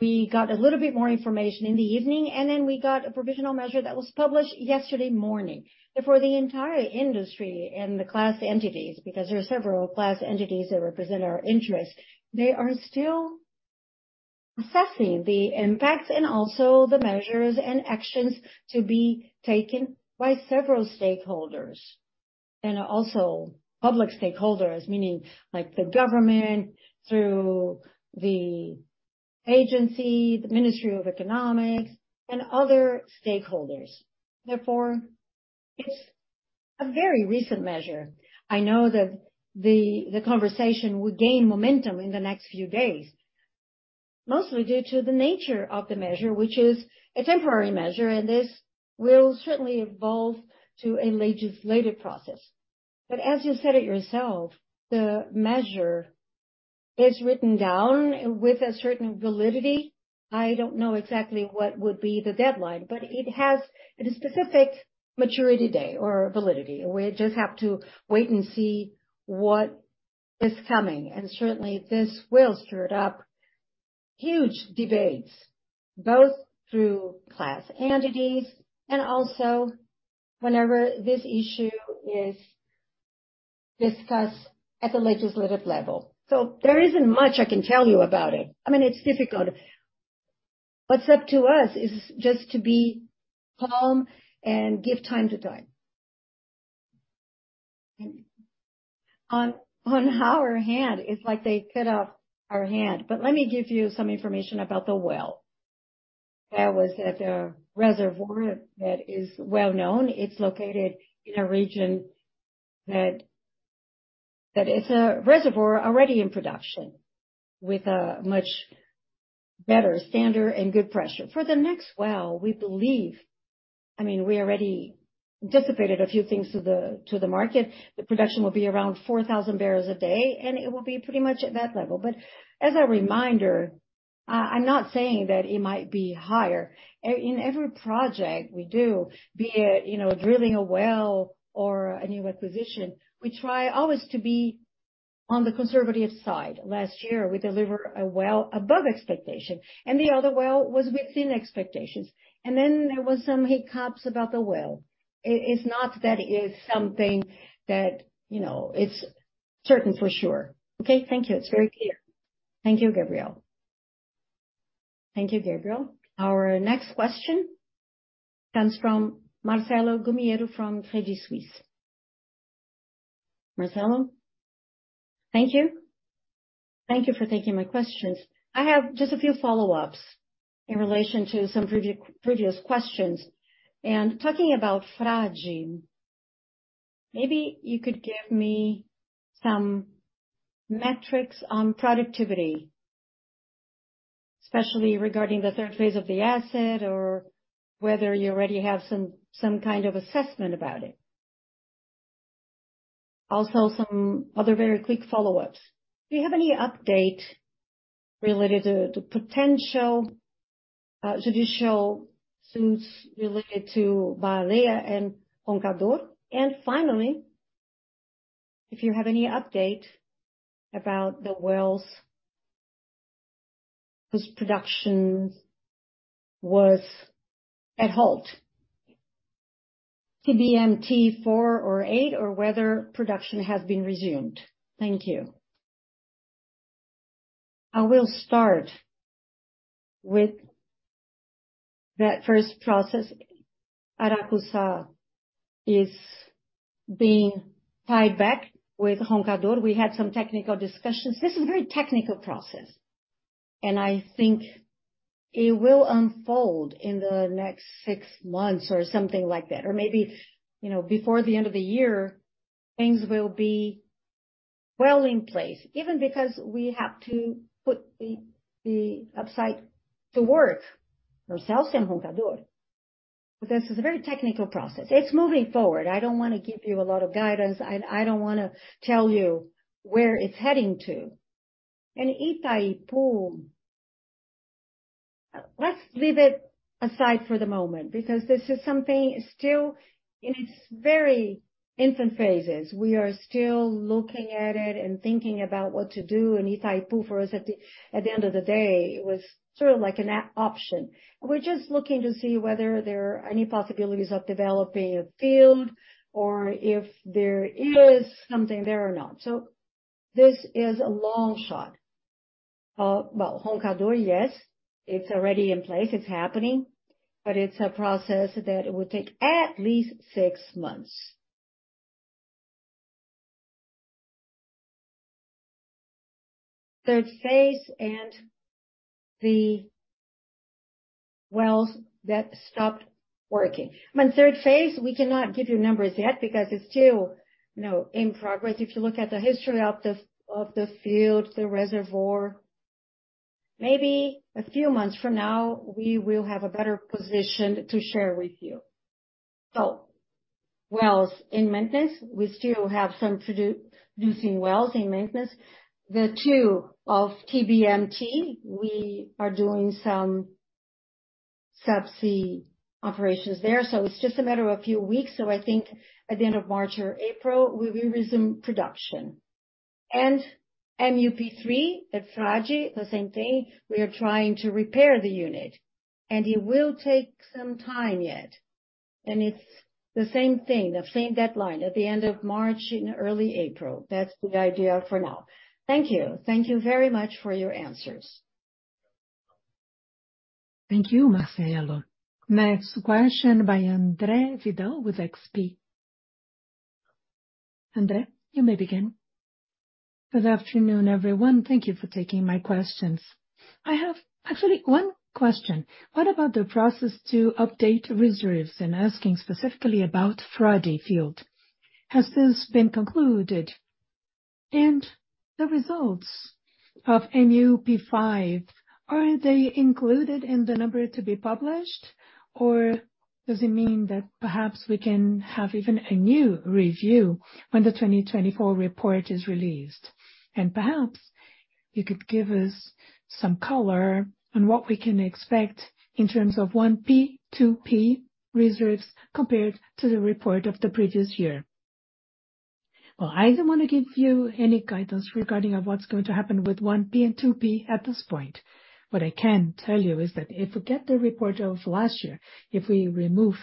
B: We got a little bit more information in the evening, and then we got a provisional measure that was published yesterday morning. For the entire industry and the class entities, because there are several class entities that represent our interests, they are still assessing the impacts and also the measures and actions to be taken by several stakeholders. Also public stakeholders, meaning like the government through the agency, the Ministry of Economics and other stakeholders. It's a very recent measure. I know that the conversation will gain momentum in the next few days, mostly due to the nature of the measure, which is a temporary measure, and this will certainly evolve to a legislative process. As you said it yourself, the measure is written down with a certain validity. I don't know exactly what would be the deadline, but it has a specific maturity day or validity. We just have to wait and see what is coming. Certainly, this will stir up huge debates, both through class entities and also whenever this issue is discussed at the legislative level. There isn't much I can tell you about it. I mean, it's difficult. What's up to us is just to be calm and give time to time. On our hand, it's like they cut off our hand. Let me give you some information about the well. That was at a reservoir that is well-known. It's located in a region that is a reservoir already in production with a much better standard and good pressure. For the next well, we believe... I mean, we already dissipated a few things to the market. The production will be around 4,000 barrels a day. It will be pretty much at that level. As a reminder, I'm not saying that it might be higher. In every project we do, be it, you know, drilling a well or a new acquisition, we try always to be on the conservative side. Last year, we delivered a well above expectation. The other well was within expectations. Then there was some hiccups about the well. It is not that it is something that, you know, it's certain for sure.
H: Okay, thank you. It's very clear.
B: Thank you, Gabriel.
E: Thank you, Gabriel. Our next question comes from Marcelo Gumiero from Credit Suisse. Marcelo?
I: Thank you. Thank you for taking my questions. I have just a few follow-ups in relation to some previous questions. Talking about Frade, maybe you could give me some metrics on productivity, especially regarding the third phase of the asset or whether you already have some kind of assessment about it. Also, some other very quick follow-ups. Do you have any update related to potential judicial suits related to Baleia and Roncador? Finally, if you have any update about the wells whose production was at halt, TBMT-4H or TBMT-8H, or whether production has been resumed. Thank you.
B: I will start with that first process. Aracuçá is being tied back with Roncador. We had some technical discussions. This is a very technical process. I think it will unfold in the next 6 months or something like that, or maybe, you know, before the end of the year things will be well in place. Even because we have to put the upside to work ourselves in Roncador. This is a very technical process. It's moving forward. I don't wanna give you a lot of guidance. I don't wanna tell you where it's heading to. Itaipu, let's leave it aside for the moment because this is something still in its very infant phases. We are still looking at it and thinking about what to do. Itaipu for us at the end of the day, it was sort of like an a-option. We're just looking to see whether there are any possibilities of developing a field or if there is something there or not. This is a long shot. Roncador, yes, it's already in place, it's happening, but it's a process that it will take at least six months. Third phase and the wells that stopped working. On third phase, we cannot give you numbers yet because it's still, you know, in progress. If you look at the history of the field, the reservoir, maybe a few months from now, we will have a better position to share with you. Wells in maintenance, we still have some producing wells in maintenance. The two of TBMT, we are doing some subsea operations there, it's just a matter of a few weeks. I think at the end of March or April we will resume production. MUP3 at Frade, the same thing. We are trying to repair the unit, and it will take some time yet. It's the same thing, the same deadline, at the end of March, in early April. That's the idea for now. Thank you.
I: Thank you very much for your answers.
E: Thank you, Marcelo. Next question by Andre Vidal with XP. Andre, you may begin.
J: Good afternoon, everyone. Thank you for taking my questions. I have actually 1 question. What about the process to update reserves and asking specifically about Frade field. Has this been concluded? The results of MUP5, are they included in the number to be published, or does it mean that perhaps we can have even a new review when the 2024 report is released? Perhaps you could give us some color on what we can expect in terms of 1P, 2P reserves compared to the report of the previous year.
B: Well, I don't wanna give you any guidance regarding of what's going to happen with 1P and 2P at this point. What I can tell you is that if we get the report of last year, if we remove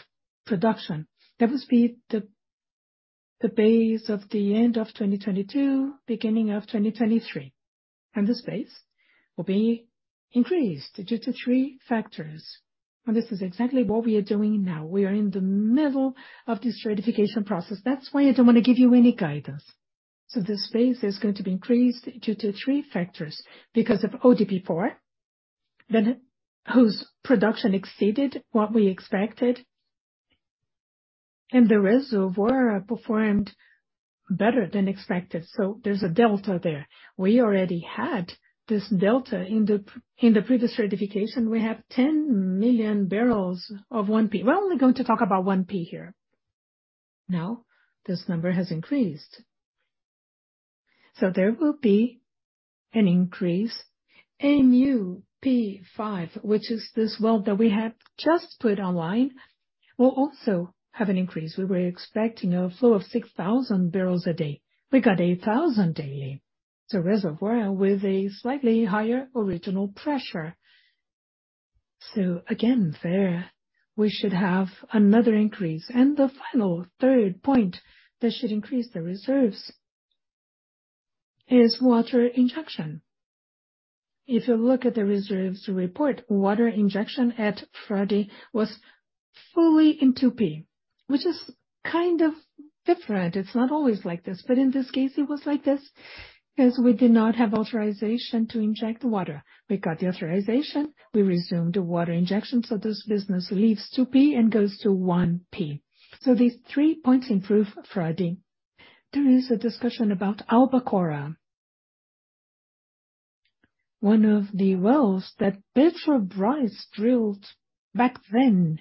B: production, that would be the base of the end of 2022, beginning of 2023. This base will be increased due to three factors. This is exactly what we are doing now. We are in the middle of this ratification process. That's why I don't wanna give you any guidance. This base is going to be increased due to three factors, because of ODP4, then whose production exceeded what we expected. The reservoir performed better than expected, so there's a delta there. We already had this delta in the, in the previous certification, we have 10 million barrels of 1P. We're only going to talk about 1P here. Now this number has increased, so there will be an increase. MUP5, which is this well that we have just put online, will also have an increase. We were expecting a flow of 6,000 barrels a day. We got 8,000 daily. It's a reservoir with a slightly higher original pressure. Again, there we should have another increase. The final third point that should increase the reserves is water injection. If you look at the reserves report, water injection at Frade was fully in 2P, which is kind of different. It's not always like this, but in this case it was like this because we did not have authorization to inject water. We got the authorization, we resumed the water injection. This business leaves 2P and goes to 1P. These 3 points improve Frade. There is a discussion about Albacora, one of the wells that Petrobras drilled back then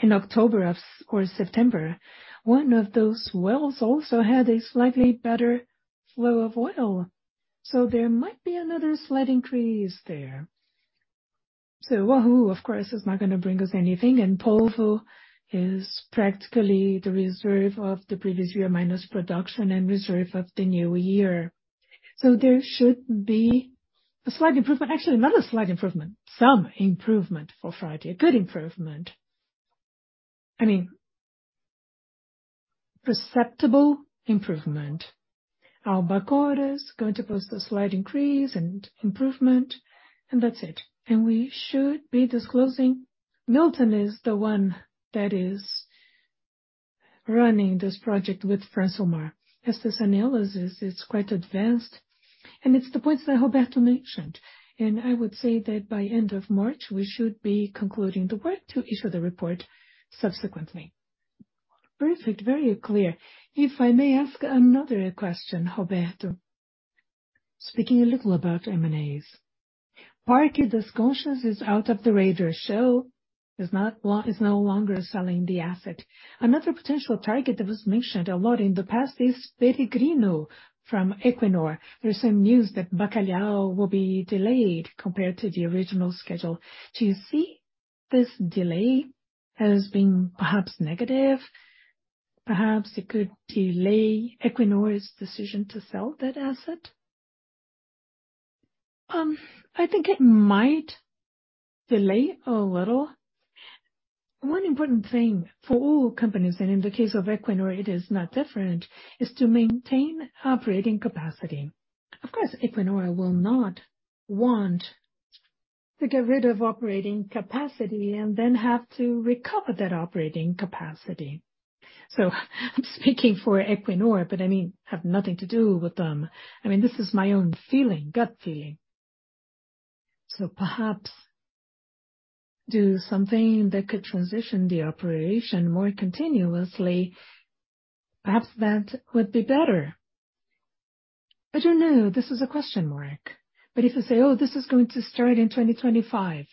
B: in October or September. One of those wells also had a slightly better flow of oil, so there might be another slight increase there. Wahoo, of course, is not gonna bring us anything. Polvo is practically the reserve of the previous year, minus production and reserve of the new year. There should be a slight improvement. Actually, not a slight improvement, some improvement for Frade. A good improvement. I mean, perceptible improvement. Albacora is going to post a slight increase and improvement, that's it. We should be disclosing. Milton Rangel is the one that is running this project with Francilmar Fernandes as this analysis is quite advanced and it's the points that Roberto Monteiro mentioned. I would say that by end of March we should be concluding the work to issue the report subsequently.
J: Perfect. Very clear. If I may ask another question, Roberto Monteiro. Speaking a little about M&A. Parque das Conchas is out of the radar, Shell is no longer selling the asset. Another potential target that was mentioned a lot in the past is Peregrino from Equinor. There's some news that Bacalhau will be delayed compared to the original schedule. Do you see this delay as being perhaps negative? Perhaps it could delay Equinor's decision to sell that asset.
B: I think it might delay a little. One important thing for all companies, in the case of Equinor it is not different, is to maintain operating capacity. Of course, Equinor will not want to get rid of operating capacity and then have to recover that operating capacity. I'm speaking for Equinor, I mean, have nothing to do with them. I mean, this is my own feeling, gut feeling. Perhaps do something that could transition the operation more continuously. Perhaps that would be better. I don't know. This is a question mark. If they say, "Oh, this is going to start in 2025,"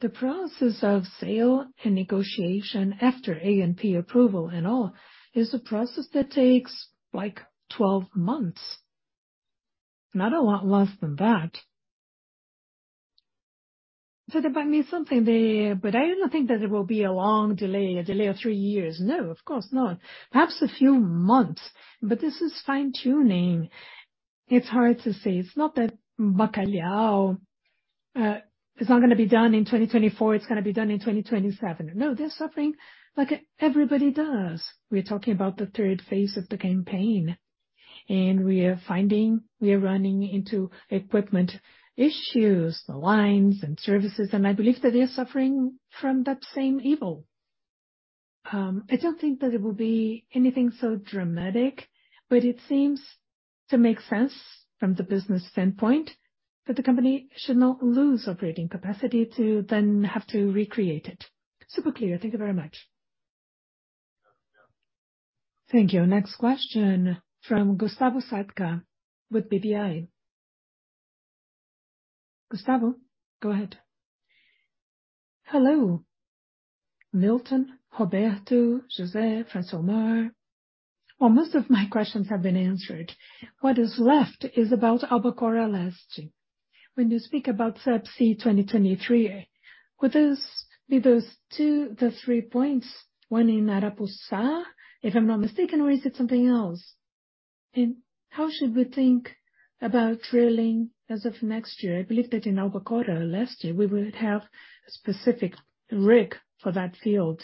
B: the process of sale and negotiation after ANP approval and all is a process that takes like 12 months, not a lot less than that. There might be something there, I don't think that it will be a long delay. A delay of 3 years. No, of course not. Perhaps a few months. This is fine-tuning. It's hard to say. It's not that Bacalhau, is not going to be done in 2024, it's going to be done in 2027. No, they're suffering like everybody does. We're talking about the third phase of the campaign, and we are running into equipment issues, the lines and services, and I believe that they are suffering from that same evil. I don't think that it will be anything so dramatic, but it seems to make sense from the business standpoint that the company should not lose operating capacity to then have to recreate it.
J: Super clear. Thank you very much.
E: Thank you. Next question from Gustavo Sadka with BBI. Gustavo, go ahead.
K: Hello, Milton, Roberto, Jose, Francilmar. Most of my questions have been answered. What is left is about Albacora Leste. When you speak about subsea 2023, would this be those two, the three points, one in Arapuca, if I'm not mistaken, or is it something else? How should we think about drilling as of next year? I believe that in Albacora Leste we would have a specific rig for that field.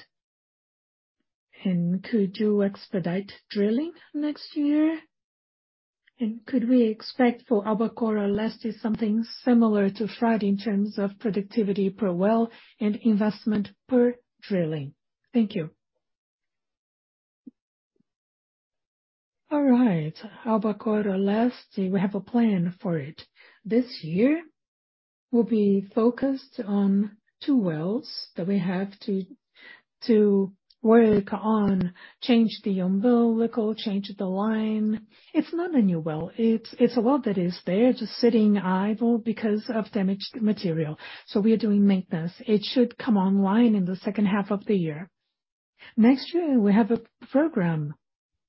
K: Could you expedite drilling next year? Could we expect for Albacora Leste something similar to Frade in terms of productivity per well and investment per drilling? Thank you.
B: All right. Albacora Leste, we have a plan for it. This year, we'll be focused on two wells that we have to work on, change the umbilical, change the line. It's not a new well. It's a well that is there just sitting idle because of damaged material. We are doing maintenance. It should come online in the second half of the year. Next year, we have a program.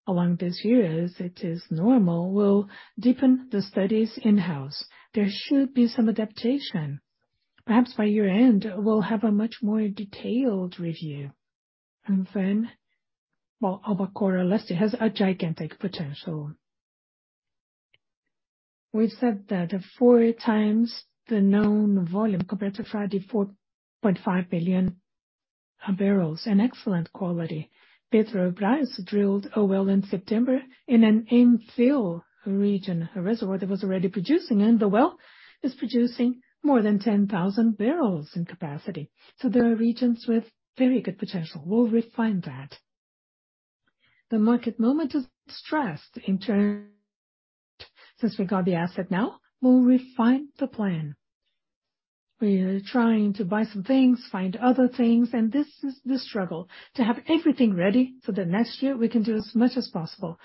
B: Along these years, it is normal, we'll deepen the studies in-house. There should be some adaptation. Perhaps by year-end, we'll have a much more detailed review. Well, Albacora Leste has a gigantic potential. We've said that four times the known volume compared to 44.5 billion barrels, and excellent quality. Petrobras drilled a well in September in an infill region, a reservoir that was already producing, and the well is producing more than 10,000 barrels in capacity. There are regions with very good potential. We'll refine that. The market moment is stressed in turn. Since we got the asset now, we'll refine the plan. We're trying to buy some things, find other things, and this is the struggle. To have everything ready for the next year, we can do as much as possible.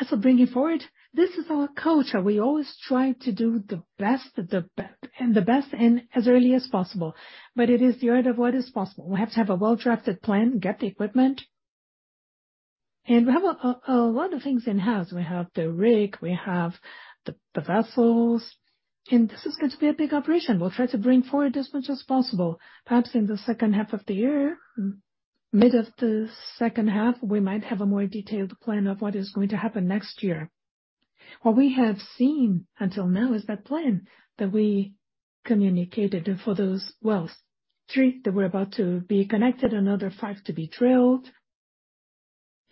B: As we're bringing forward, this is our culture. We always try to do the best, the best and as early as possible. It is the art of what is possible. We have to have a well-drafted plan, get the equipment. We have a lot of things in-house. We have the rig, we have the vessels. This is going to be a big operation. We'll try to bring forward as much as possible. Perhaps in the second half of the year, mid of the second half, we might have a more detailed plan of what is going to happen next year. What we have seen until now is that plan that we communicated for those wells. 3 that were about to be connected, another 5 to be drilled.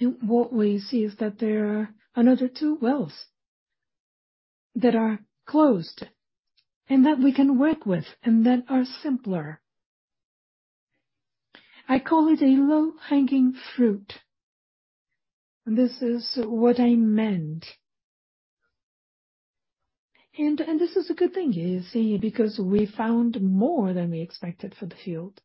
B: What we see is that there are another two wells that are closed and that we can work with and that are simpler. I call it a low-hanging fruit. This is what I meant. This is a good thing, you see, because we found more than we expected for the field.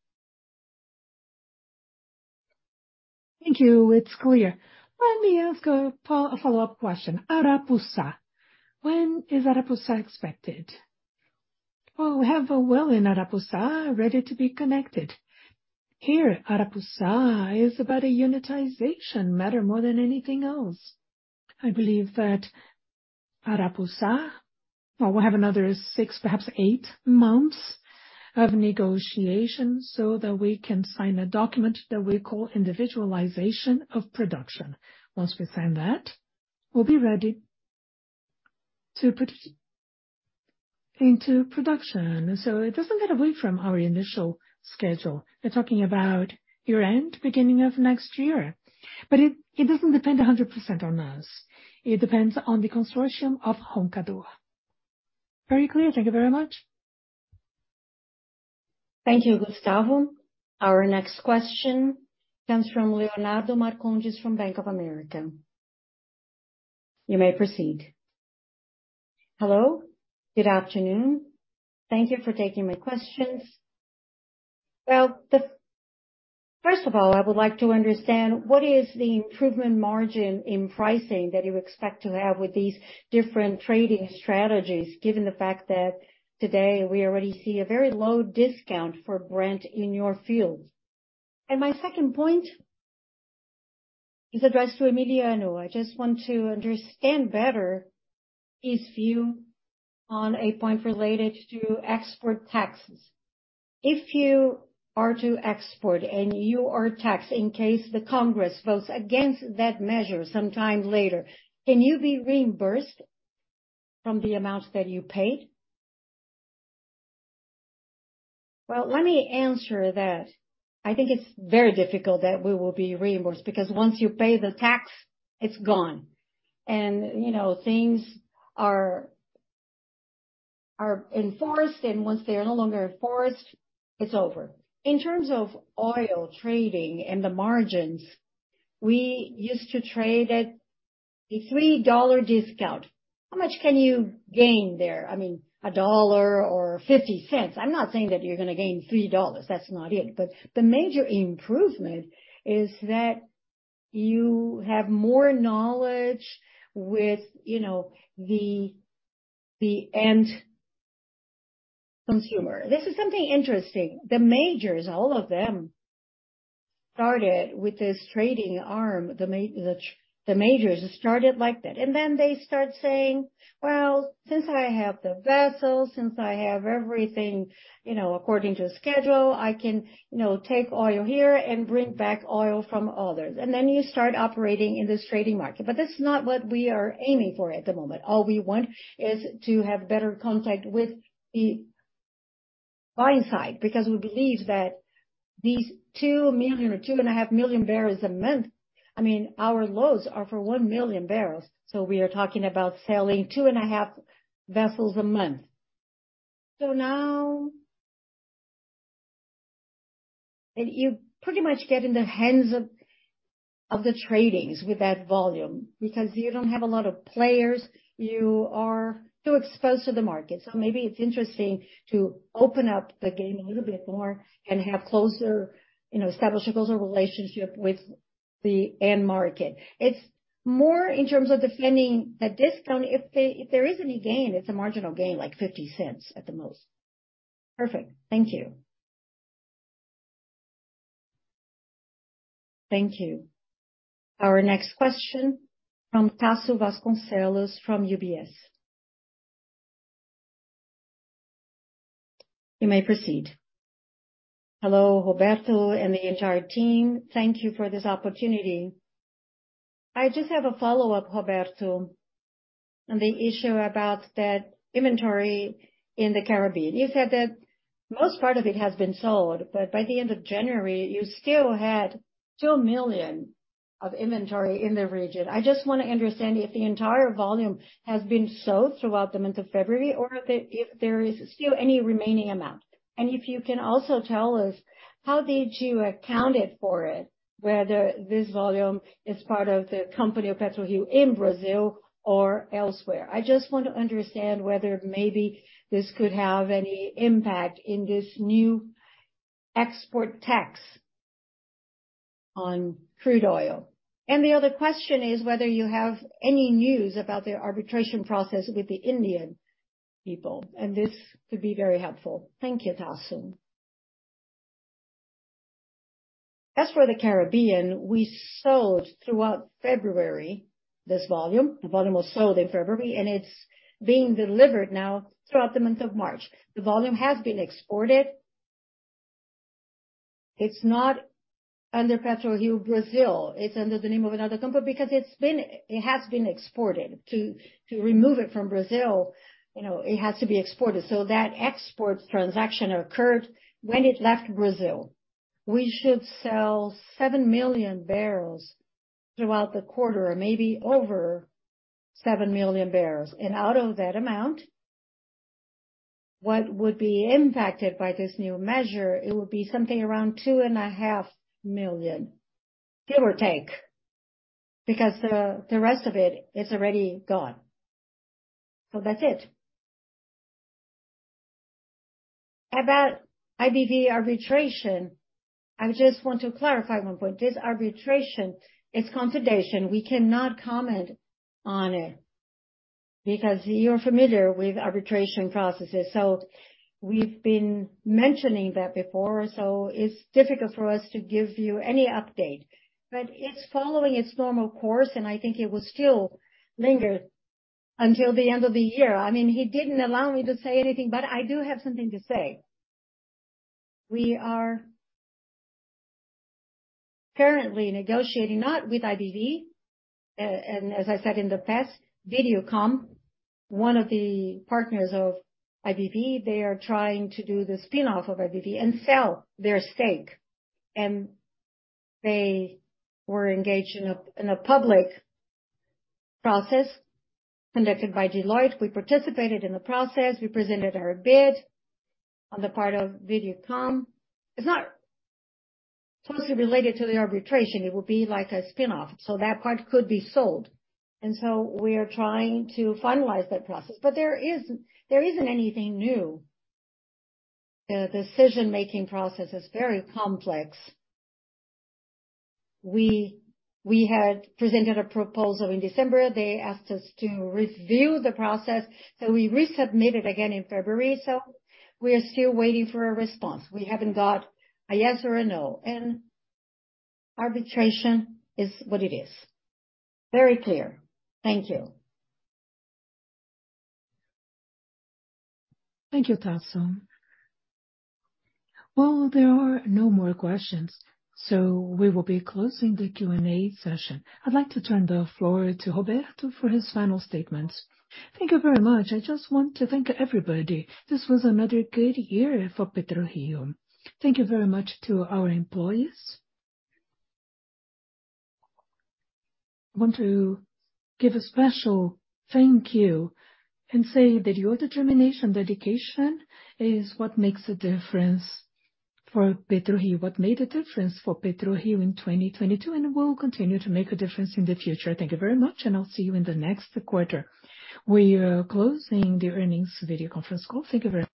K: Thank you. It's clear. Let me ask a follow-up question. Arapuça. When is Arapuça expected?
B: We have a well in Arapuça ready to be connected. Here, Arapuça is about a unitization matter more than anything else. I believe that Arapuça, well, we have another 6, perhaps 8 months of negotiation so that we can sign a document that we call individualization of production. Once we sign that, we'll be ready to put into production. It doesn't get away from our initial schedule. We're talking about year-end, beginning of next year. It doesn't depend 100% on us. It depends on the consortium of Roncador.
K: Very clear. Thank you very much.
E: Thank you, Gustavo. Our next question comes from Leonardo Marcondes from Bank of America. You may proceed.
L: Hello, good afternoon. Thank you for taking my questions. Well, First of all, I would like to understand what is the improvement margin in pricing that you expect to have with these different trading strategies, given the fact that today we already see a very low discount for Brent in your field. My second point is addressed to Emiliano. I just want to understand better his view on a point related to export taxes. If you are to export and you are taxed in case the Congress votes against that measure sometime later, can you be reimbursed from the amount that you paid?
B: Well, let me answer that. I think it's very difficult that we will be reimbursed, because once you pay the tax, it's gone. You know, things are enforced, and once they are no longer enforced, it's over. In terms of oil trading and the margins, we used to trade at a $3 discount. How much can you gain there? I mean, $1 or $0.50. I'm not saying that you're gonna gain $3. That's not it. The major improvement is that you have more knowledge with, you know, the end consumer. This is something interesting. The majors, all of them, started with this trading arm. The majors started like that. They start saying, "Well, since I have the vessels, since I have everything, you know, according to a schedule, I can, you know, take oil here and bring back oil from others." You start operating in this trading market. That's not what we are aiming for at the moment. All we want is to have better contact with the buying side, because we believe that these 2 million or 2.5 million barrels a month, I mean, our loads are for 1 million barrels, so we are talking about selling 2.5 vessels a month. You pretty much get in the hands of the tradings with that volume because you don't have a lot of players. You are too exposed to the market. Maybe it's interesting to open up the game a little bit more and have closer, you know, establish a closer relationship with the end market. It's more in terms of defending the discount. If they, if there is any gain, it's a marginal gain, like $0.50 at the most.
L: Perfect. Thank you.
E: Thank you. Our next question from Tasso Vasconcellos from UBS. You may proceed.
M: Hello, Roberto and the HR team. Thank you for this opportunity. I just have a follow-up, Roberto, on the issue about that inventory in the Caribbean. You said that most part of it has been sold, but by the end of January, you still had $2 million of inventory in the region. I just wanna understand if the entire volume has been sold throughout the month of February or if there is still any remaining amount. If you can also tell us how did you accounted for it, whether this volume is part of the company of PetroRio in Brazil or elsewhere. I just want to understand whether maybe this could have any impact in this new export tax on crude oil. The other question is whether you have any news about the arbitration process with the Indian people. This could be very helpful.
B: Thank you, Tasso. The Caribbean, we sold throughout February this volume. The volume was sold in February, and it's being delivered now throughout the month of March. The volume has been exported. It's not under PRIO Brazil. It's under the name of another company because It has been exported. To remove it from Brazil, you know, it has to be exported. That export transaction occurred when it left Brazil. We should sell 7 million barrels throughout the quarter or maybe over 7 million barrels. Out of that amount, what would be impacted by this new measure, it would be something around two and a half million, give or take, because the rest of it is already gone. That's it. About IBV arbitration, I just want to clarify 1 point. This arbitration is confidential. We cannot comment on it because you're familiar with arbitration processes. We've been mentioning that before, so it's difficult for us to give you any update. It's following its normal course, and I think it will still linger until the end of the year. I mean, he didn't allow me to say anything, but I do have something to say. We are currently negotiating, not with IBV, and as I said in the past, Videocon, one of the partners of IBV, they are trying to do the spin-off of IBV and sell their stake. They were engaged in a public process conducted by Deloitte. We participated in the process. We presented our bid on the part of Videocon. It's not closely related to the arbitration. It would be like a spin-off. That part could be sold. We are trying to finalize that process. There isn't anything new. The decision-making process is very complex. We had presented a proposal in December. They asked us to review the process, we resubmitted again in February. We are still waiting for a response. We haven't got a yes or a no. Arbitration is what it is.
M: Very clear. Thank you.
E: Thank you, Tasso. There are no more questions, so we will be closing the Q&A session. I'd like to turn the floor to Roberto for his final statements.
B: Thank you very much. I just want to thank everybody. This was another great year for PetroRio. Thank you very much to our employees. Want to give a special thank you and say that your determination, dedication is what makes a difference for PetroRio, what made a difference for PetroRio in 2022, and will continue to make a difference in the future. Thank you very much, and I'll see you in the next quarter. We are closing the earnings video conference call. Thank you very much.